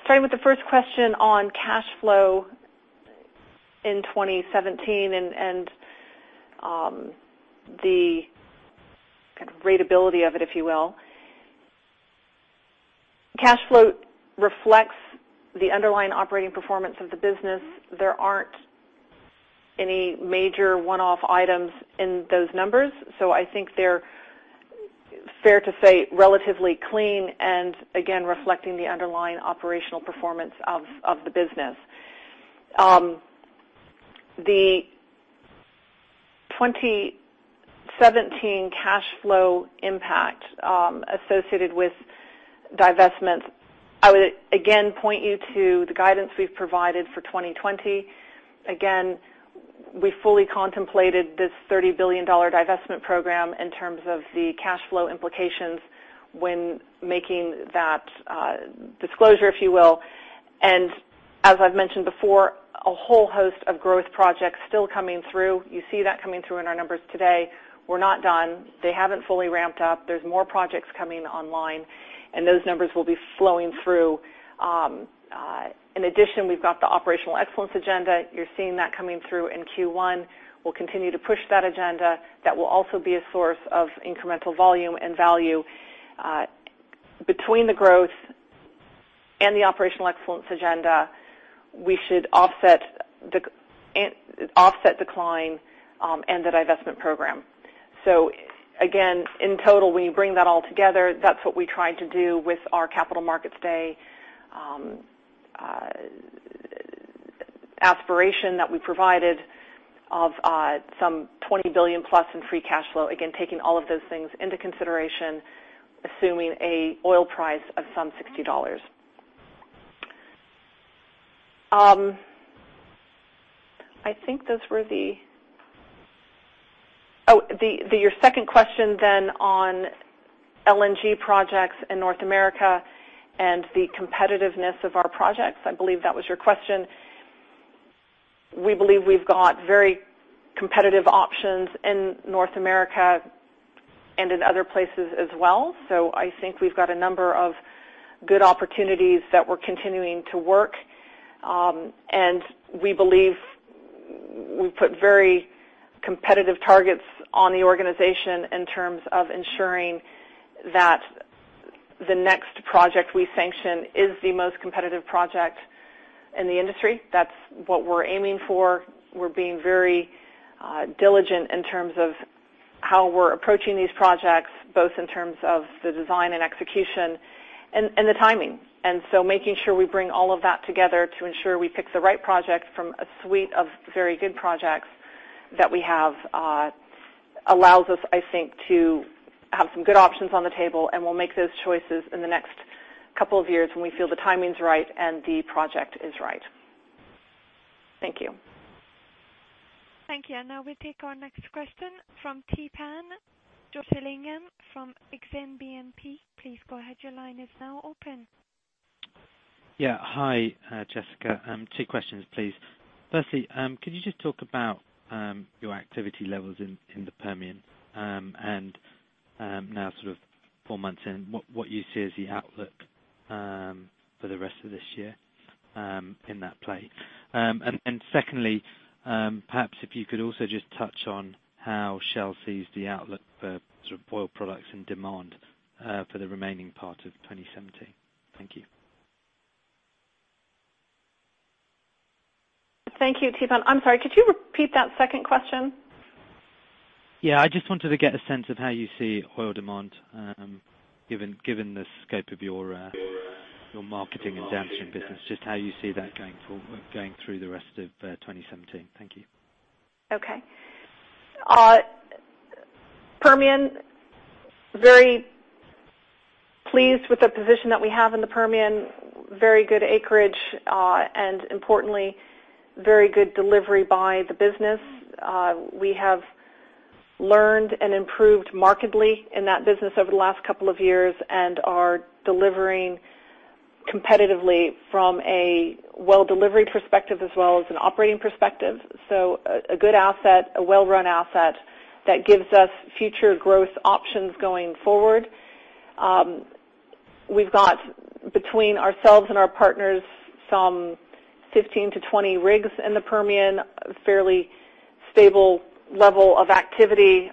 Starting with the first question on cash flow in 2017 and the kind of readability of it, if you will. Cash flow reflects the underlying operating performance of the business. There aren't any major one-off items in those numbers. I think they're fair to say, relatively clean and again, reflecting the underlying operational performance of the business. The 2017 cash flow impact associated with divestments, I would again point you to the guidance we've provided for 2020. Again, we fully contemplated this $30 billion divestment program in terms of the cash flow implications when making that disclosure, if you will. As I've mentioned before, a whole host of growth projects still coming through. You see that coming through in our numbers today. We're not done. They haven't fully ramped up. There's more projects coming online, and those numbers will be flowing through. In addition, we've got the operational excellence agenda. You're seeing that coming through in Q1. We'll continue to push that agenda. That will also be a source of incremental volume and value. Between the growth and the operational excellence agenda, we should offset decline and the divestment program. Again, in total, when you bring that all together, that's what we tried to do with our Capital Markets Day aspiration that we provided of some $20 billion plus in free cash flow, again, taking all of those things into consideration, assuming an oil price of some $60. I think those were the. Oh, your second question on LNG projects in North America and the competitiveness of our projects. I believe that was your question. We believe we've got very competitive options in North America and in other places as well. I think we've got a number of good opportunities that we're continuing to work, and we believe we put very competitive targets on the organization in terms of ensuring that the next project we sanction is the most competitive project in the industry. That's what we're aiming for. We're being very diligent in terms of how we're approaching these projects, both in terms of the design and execution and the timing. Making sure we bring all of that together to ensure we pick the right project from a suite of very good projects that we have, allows us, I think, to have some good options on the table, and we'll make those choices in the next couple of years when we feel the timing's right and the project is right. Thank you. Thank you. We'll take our next question from Theepan Jothilingam from Exane BNP. Please go ahead. Your line is now open. Hi, Jessica. Two questions, please. Firstly, could you just talk about your activity levels in the Permian and now sort of 4 months in, what you see as the outlook for the rest of this year in that play? Secondly, perhaps if you could also just touch on how Shell sees the outlook for oil products and demand for the remaining part of 2017. Thank you. Thank you, Theepan. I'm sorry, could you repeat that second question? I just wanted to get a sense of how you see oil demand given the scope of your marketing and downstream business, just how you see that going through the rest of 2017. Thank you. Okay. Permian, very pleased with the position that we have in the Permian. Very good acreage, and importantly, very good delivery by the business. We have learned and improved markedly in that business over the last couple of years and are delivering competitively from a well delivery perspective as well as an operating perspective. A good asset, a well-run asset that gives us future growth options going forward. We've got, between ourselves and our partners, some 15-20 rigs in the Permian, fairly stable level of activity,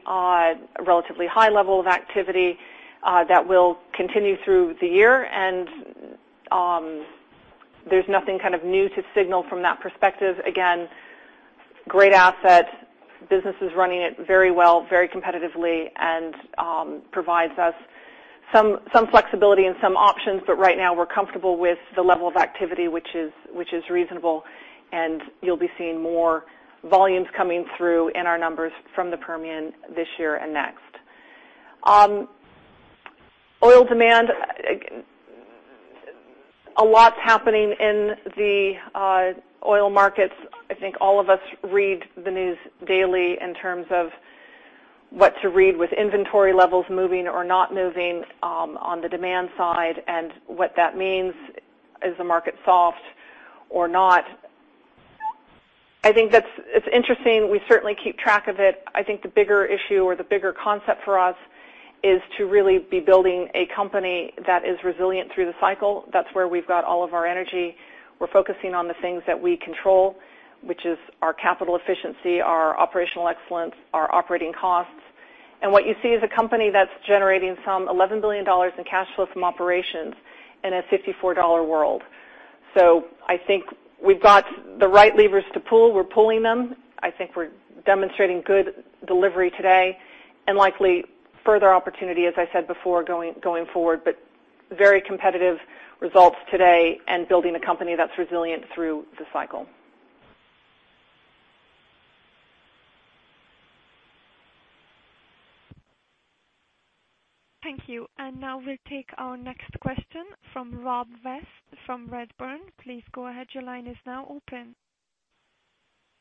relatively high level of activity, that will continue through the year. There's nothing kind of new to signal from that perspective. Again, great asset. Business is running it very well, very competitively, and provides us some flexibility and some options. Right now, we're comfortable with the level of activity, which is reasonable, and you'll be seeing more volumes coming through in our numbers from the Permian this year and next. Oil demand, a lot's happening in the oil markets. I think all of us read the news daily in terms of what to read with inventory levels moving or not moving on the demand side and what that means. Is the market soft or not? I think that it's interesting. We certainly keep track of it. I think the bigger issue or the bigger concept for us is to really be building a company that is resilient through the cycle. That's where we've got all of our energy. We're focusing on the things that we control, which is our capital efficiency, our operational excellence, our operating costs. What you see is a company that's generating some $11 billion in cash flow from operations in a $54 world. I think we've got the right levers to pull. We're pulling them. I think we're demonstrating good delivery today and likely further opportunity, as I said before, going forward. Very competitive results today and building a company that's resilient through the cycle. Thank you. Now we'll take our next question from Rob West from Redburn. Please go ahead. Your line is now open.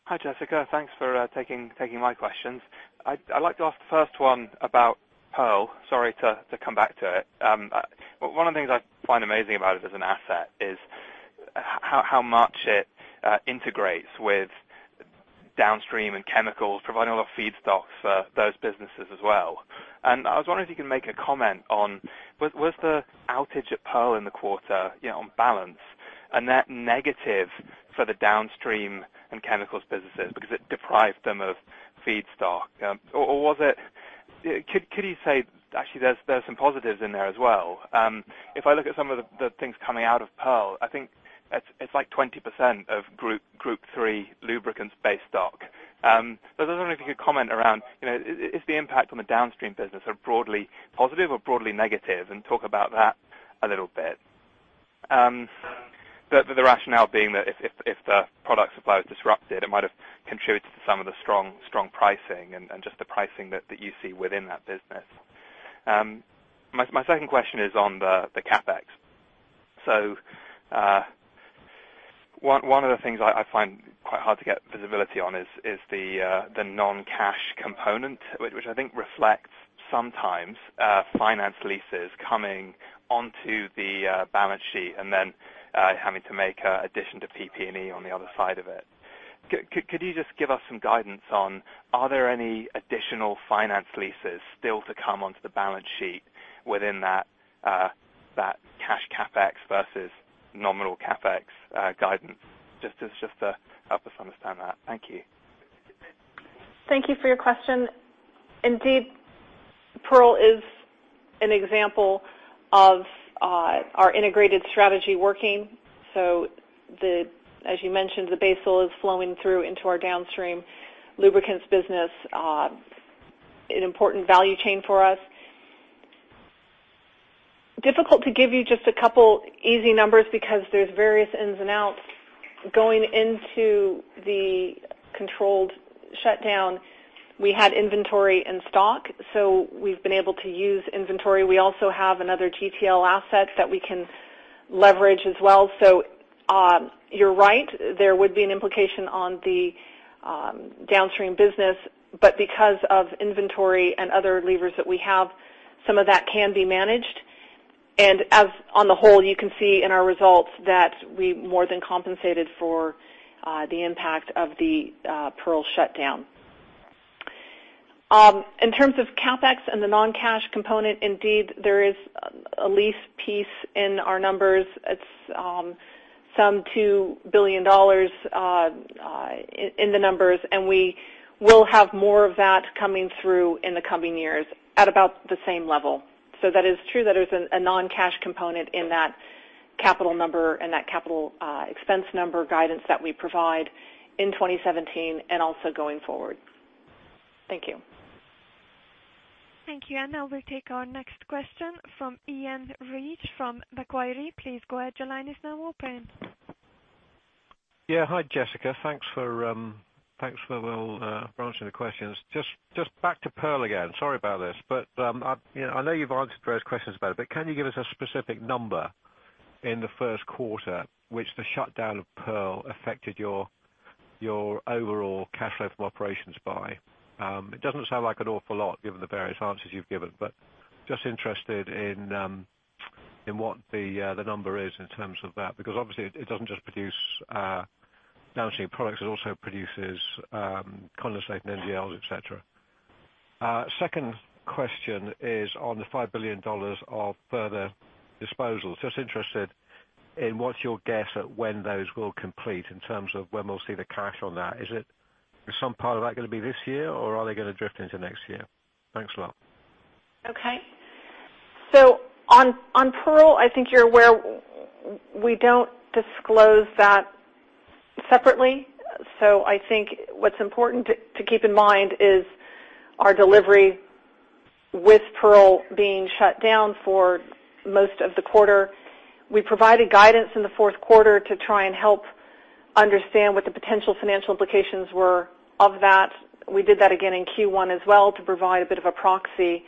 Hi, Jessica. Thanks for taking my questions. I'd like to ask the first one about Pearl. Sorry to come back to it. One of the things I find amazing about it as an asset is how much it integrates with downstream and chemicals, providing a lot of feedstocks for those businesses as well. I was wondering if you can make a comment on, was the outage at Pearl in the quarter on balance a net negative for the downstream and chemicals businesses because it deprived them of feedstock? Could you say actually there's some positives in there as well? If I look at some of the things coming out of Pearl, I think it's like 20% of Group III lubricants base stock. I was wondering if you could comment around, is the impact on the downstream business broadly positive or broadly negative? Talk about that a little bit. The rationale being that if the product supply was disrupted, it might have contributed to some of the strong pricing and just the pricing that you see within that business. My second question is on the CapEx. One of the things I find quite hard to get visibility on is the non-cash component, which I think reflects sometimes finance leases coming onto the balance sheet and then having to make an addition to PP&E on the other side of it. Could you just give us some guidance on, are there any additional finance leases still to come onto the balance sheet within that cash CapEx versus nominal CapEx guidance? Just to help us understand that. Thank you. Thank you for your question. Indeed, Pearl is an example of our integrated strategy working. As you mentioned, the base load is flowing through into our downstream lubricants business, an important value chain for us. Difficult to give you just a couple easy numbers because there's various ins and outs. Going into the controlled shutdown, we had inventory in stock, we've been able to use inventory. We also have another GTL asset that we can leverage as well. You're right, there would be an implication on the downstream business. Because of inventory and other levers that we have, some of that can be managed. On the whole, you can see in our results that we more than compensated for the impact of the Pearl shutdown. In terms of CapEx and the non-cash component, indeed, there is a lease piece in our numbers. It's some $2 billion in the numbers, we will have more of that coming through in the coming years at about the same level. That is true, that is a non-cash component in that capital number and that capital expense number guidance that we provide in 2017 and also going forward. Thank you. Thank you. Now we'll take our next question from Iain Reid from Macquarie. Please go ahead. Your line is now open. Yeah. Hi, Jessica. Thanks for answering the questions. Just back to Pearl again. Sorry about this, but I know you've answered various questions about it, but can you give us a specific number in the first quarter, which the shutdown of Pearl affected your overall cash flow from operations by? It doesn't sound like an awful lot given the various answers you've given, but just interested in what the number is in terms of that, because obviously it doesn't just produce downstream products, it also produces condensate and NGLs, et cetera. Second question is on the $5 billion of further disposals. Just interested in what's your guess at when those will complete in terms of when we'll see the cash on that. Is some part of that going to be this year, or are they going to drift into next year? Thanks a lot. Okay. On Pearl, I think you're aware we don't disclose that separately. I think what's important to keep in mind is our delivery with Pearl being shut down for most of the quarter. We provided guidance in the fourth quarter to try and help understand what the potential financial implications were of that. We did that again in Q1 as well to provide a bit of a proxy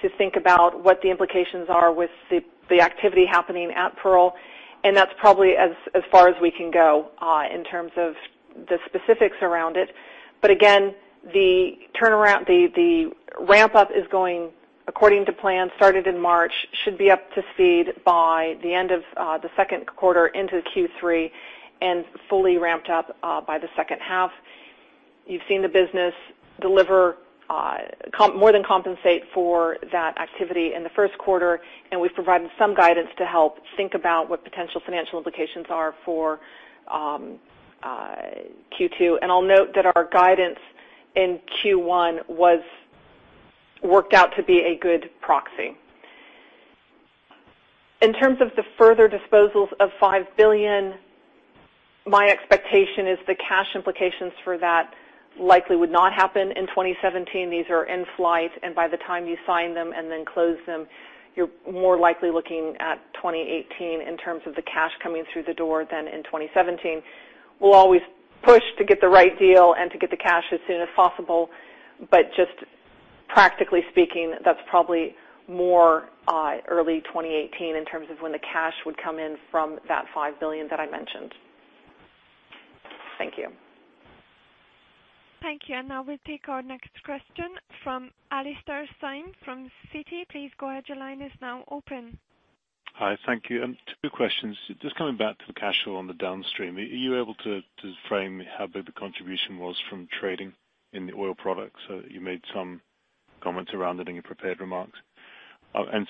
to think about what the implications are with the activity happening at Pearl, and that's probably as far as we can go in terms of the specifics around it. Again, the ramp-up is going according to plan. Started in March, should be up to speed by the end of the second quarter into Q3, and fully ramped up by the second half. You've seen the business more than compensate for that activity in the first quarter, and we've provided some guidance to help think about what potential financial implications are for Q2. I'll note that our guidance in Q1 worked out to be a good proxy. In terms of the further disposals of $5 billion, my expectation is the cash implications for that likely would not happen in 2017. These are in flight, and by the time you sign them and then close them, you're more likely looking at 2018 in terms of the cash coming through the door than in 2017. We'll always push to get the right deal and to get the cash as soon as possible. Just practically speaking, that's probably more early 2018 in terms of when the cash would come in from that $5 billion that I mentioned. Thank you. Thank you. Now we'll take our next question from Alastair Syme from Citi. Please go ahead. Your line is now open. Hi. Thank you. Two questions. Just coming back to the cash flow on the downstream, are you able to frame how big the contribution was from trading in the oil products? You made some comments around it in your prepared remarks.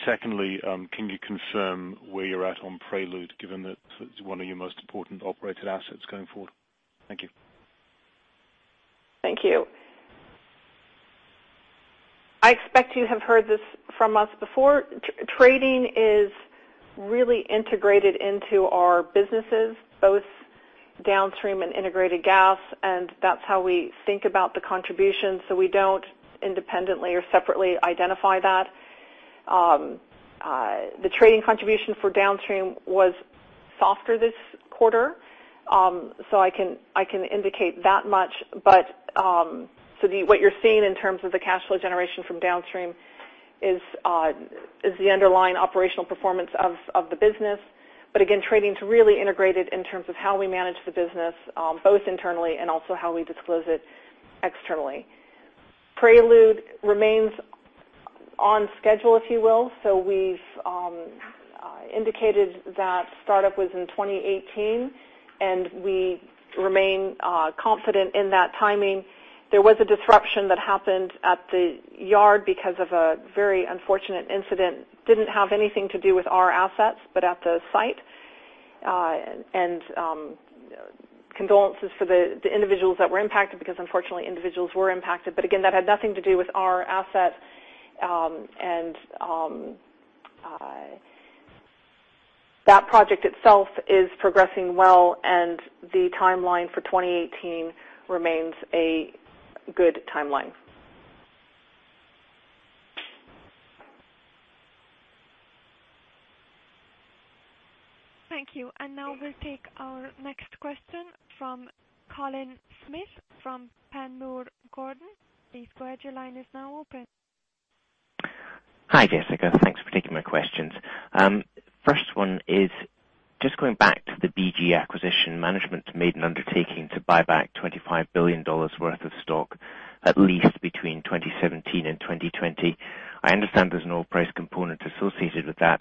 Secondly, can you confirm where you're at on Prelude, given that it's one of your most important operated assets going forward? Thank you. Thank you. I expect you have heard this from us before. Trading is really integrated into our businesses, both downstream and integrated gas, That's how we think about the contribution. We don't independently or separately identify that. The trading contribution for downstream was softer this quarter, I can indicate that much. What you're seeing in terms of the cash flow generation from downstream is the underlying operational performance of the business. Again, trading's really integrated in terms of how we manage the business, both internally and also how we disclose it externally. Prelude remains on schedule, if you will. We've indicated that startup was in 2018, and we remain confident in that timing. There was a disruption that happened at the yard because of a very unfortunate incident. Didn't have anything to do with our assets, but at the site. Condolences for the individuals that were impacted because unfortunately, individuals were impacted. Again, that had nothing to do with our asset. That project itself is progressing well, and the timeline for 2018 remains a good timeline. Now we'll take our next question from Colin Smith from Panmure Gordon. Please go ahead, your line is now open. Hi, Jessica. Thanks for taking my questions. First one is just going back to the BG acquisition. Management's made an undertaking to buy back $25 billion worth of stock, at least between 2017 and 2020. I understand there's an oil price component associated with that,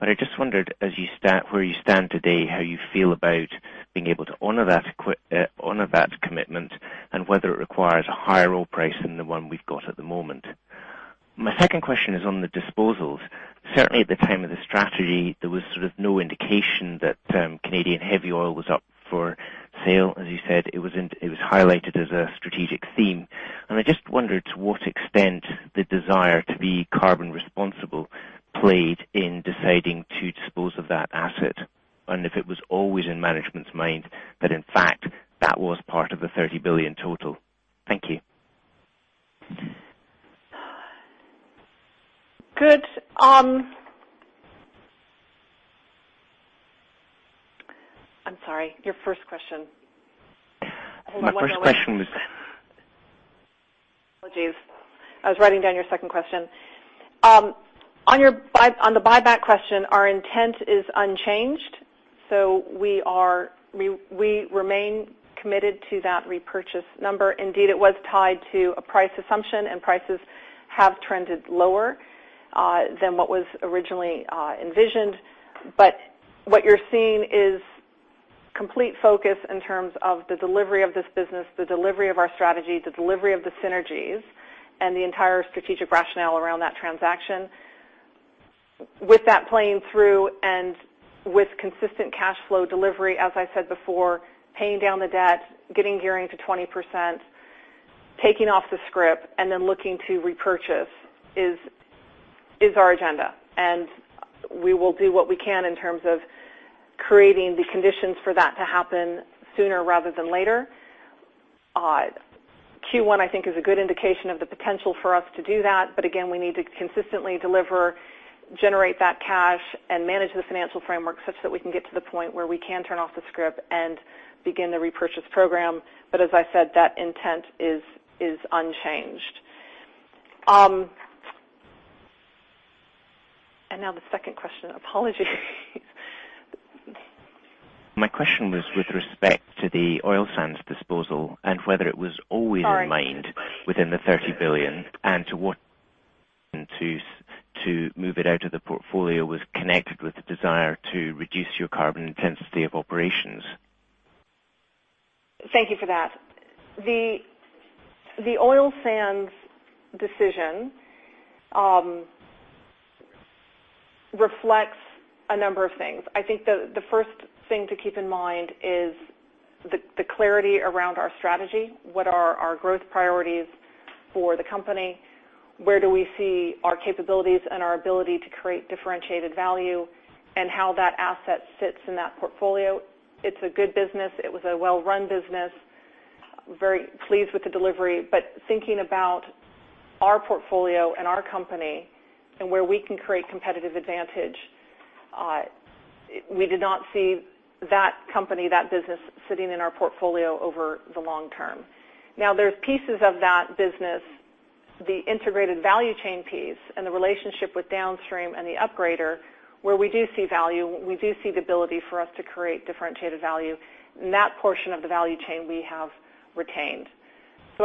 I just wondered where you stand today, how you feel about being able to honor that commitment, and whether it requires a higher oil price than the one we've got at the moment. My second question is on the disposals. Certainly at the time of the strategy, there was sort of no indication that Canadian heavy oil was up for sale, as you said. It was highlighted as a strategic theme. I just wondered to what extent the desire to be carbon responsible played in deciding to dispose of that asset, and if it was always in management's mind that in fact that was part of the $30 billion total. Thank you. Good. I'm sorry, your first question. My first question was. Apologies. I was writing down your second question. On the buyback question, our intent is unchanged. We remain committed to that repurchase number. Indeed, it was tied to a price assumption, and prices have trended lower than what was originally envisioned. What you're seeing is complete focus in terms of the delivery of this business, the delivery of our strategy, the delivery of the synergies, and the entire strategic rationale around that transaction. With that playing through and with consistent cash flow delivery, as I said before, paying down the debt, getting gearing to 20%, taking off the scrip, and then looking to repurchase is our agenda. We will do what we can in terms of creating the conditions for that to happen sooner rather than later. Q1 I think is a good indication of the potential for us to do that. Again, we need to consistently deliver, generate that cash, and manage the financial framework such that we can get to the point where we can turn off the scrip and begin the repurchase program. As I said, that intent is unchanged. Now the second question, apologies. My question was with respect to the oil sands disposal and whether it was always in mind within the $30 billion, and to move it out of the portfolio was connected with the desire to reduce your carbon intensity of operations. Thank you for that. The oil sands decision reflects a number of things. I think the first thing to keep in mind is the clarity around our strategy. What are our growth priorities for the company? Where do we see our capabilities and our ability to create differentiated value and how that asset sits in that portfolio? It's a good business. It was a well-run business. Very pleased with the delivery. Thinking about our portfolio and our company and where we can create competitive advantage, we did not see that company, that business sitting in our portfolio over the long term. There's pieces of that business, the integrated value chain piece and the relationship with downstream and the upgrader, where we do see value. We do see the ability for us to create differentiated value. That portion of the value chain we have retained.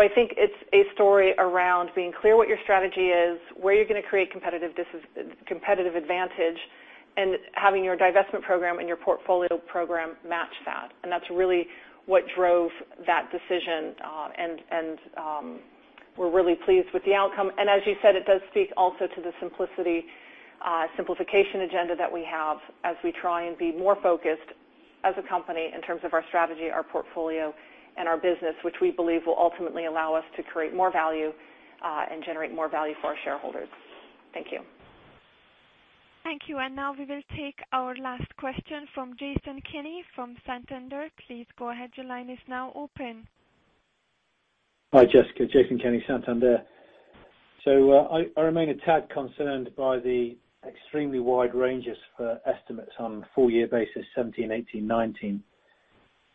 I think it's a story around being clear what your strategy is, where you're going to create competitive advantage, and having your divestment program and your portfolio program match that. That's really what drove that decision, and we're really pleased with the outcome. As you said, it does speak also to the simplification agenda that we have as we try and be more focused as a company in terms of our strategy, our portfolio, and our business, which we believe will ultimately allow us to create more value, and generate more value for our shareholders. Thank you. Thank you. Now we will take our last question from Jason Kenney from Santander. Please go ahead. Your line is now open. Hi, Jessica. Jason Kenney, Santander. I remain a tad concerned by the extremely wide ranges for estimates on a four-year basis, 2017,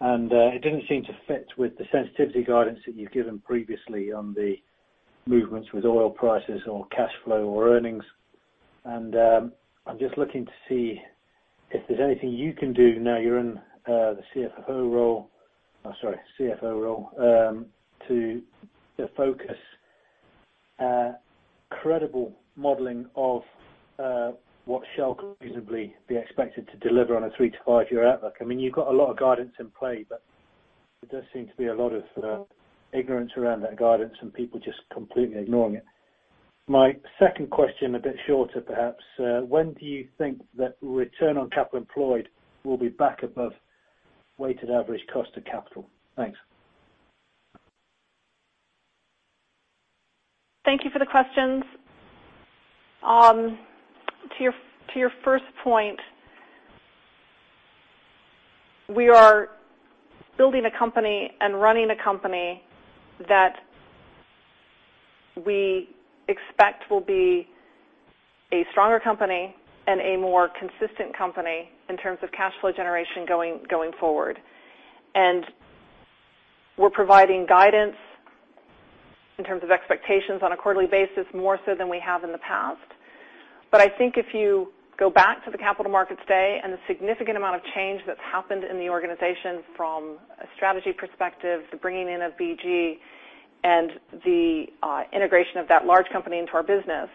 2018, 2019. It didn't seem to fit with the sensitivity guidance that you've given previously on the movements with oil prices or cash flow or earnings. I'm just looking to see if there's anything you can do now you're in the CFO role to focus credible modeling of what Shell could reasonably be expected to deliver on a three to five-year outlook. You've got a lot of guidance in play, there does seem to be a lot of ignorance around that guidance and people just completely ignoring it. My second question, a bit shorter perhaps, when do you think that return on capital employed will be back above weighted average cost of capital? Thanks. Thank you for the questions. To your first point, we are building a company and running a company that we expect will be a stronger company and a more consistent company in terms of cash flow generation going forward. We're providing guidance in terms of expectations on a quarterly basis, more so than we have in the past. I think if you go back to the Capital Markets Day and the significant amount of change that's happened in the organization from a strategy perspective, the bringing in of BG, and the integration of that large company into our business,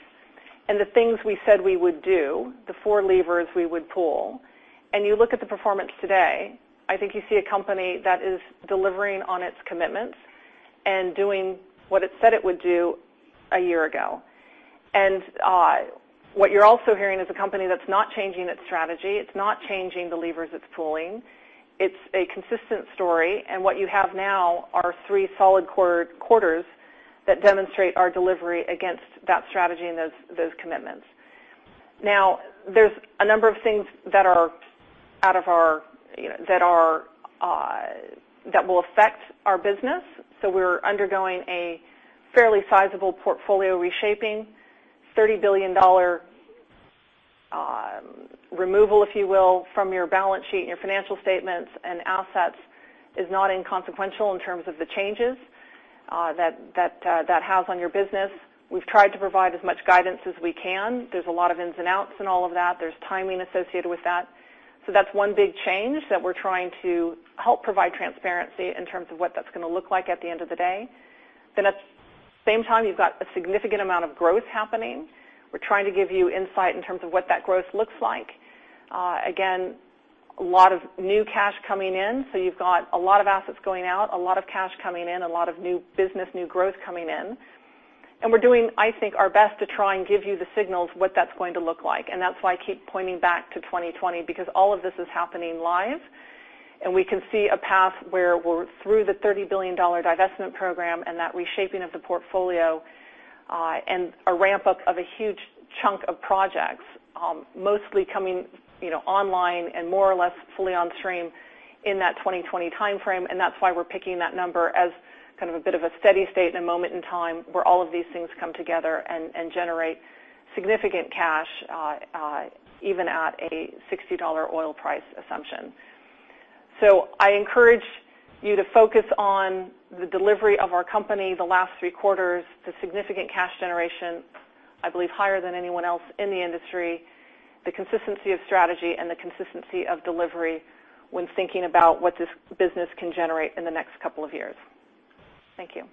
and the four things we said we would do, the four levers we would pull, and you look at the performance today, I think you see a company that is delivering on its commitments and doing what it said it would do a year ago. What you're also hearing is a company that's not changing its strategy. It's not changing the levers it's pulling. It's a consistent story, and what you have now are three solid quarters that demonstrate our delivery against that strategy and those commitments. There's a number of things that will affect our business. We're undergoing a fairly sizable portfolio reshaping, $30 billion removal, if you will, from your balance sheet and your financial statements, and assets is not inconsequential in terms of the changes that has on your business. We've tried to provide as much guidance as we can. There's a lot of ins and outs in all of that. There's timing associated with that. That's one big change that we're trying to help provide transparency in terms of what that's going to look like at the end of the day. At the same time, you've got a significant amount of growth happening. We're trying to give you insight in terms of what that growth looks like. Again, a lot of new cash coming in. You've got a lot of assets going out, a lot of cash coming in, a lot of new business, new growth coming in, and we're doing, I think, our best to try and give you the signals what that's going to look like. That's why I keep pointing back to 2020, because all of this is happening live, and we can see a path where we're through the $30 billion divestment program and that reshaping of the portfolio, and a ramp-up of a huge chunk of projects, mostly coming online and more or less fully on stream in that 2020 timeframe. That's why we're picking that number as kind of a bit of a steady state and a moment in time where all of these things come together and generate significant cash, even at a $60 oil price assumption. I encourage you to focus on the delivery of our company, the last three quarters, the significant cash generation, I believe higher than anyone else in the industry, the consistency of strategy, and the consistency of delivery when thinking about what this business can generate in the next couple of years. Thank you.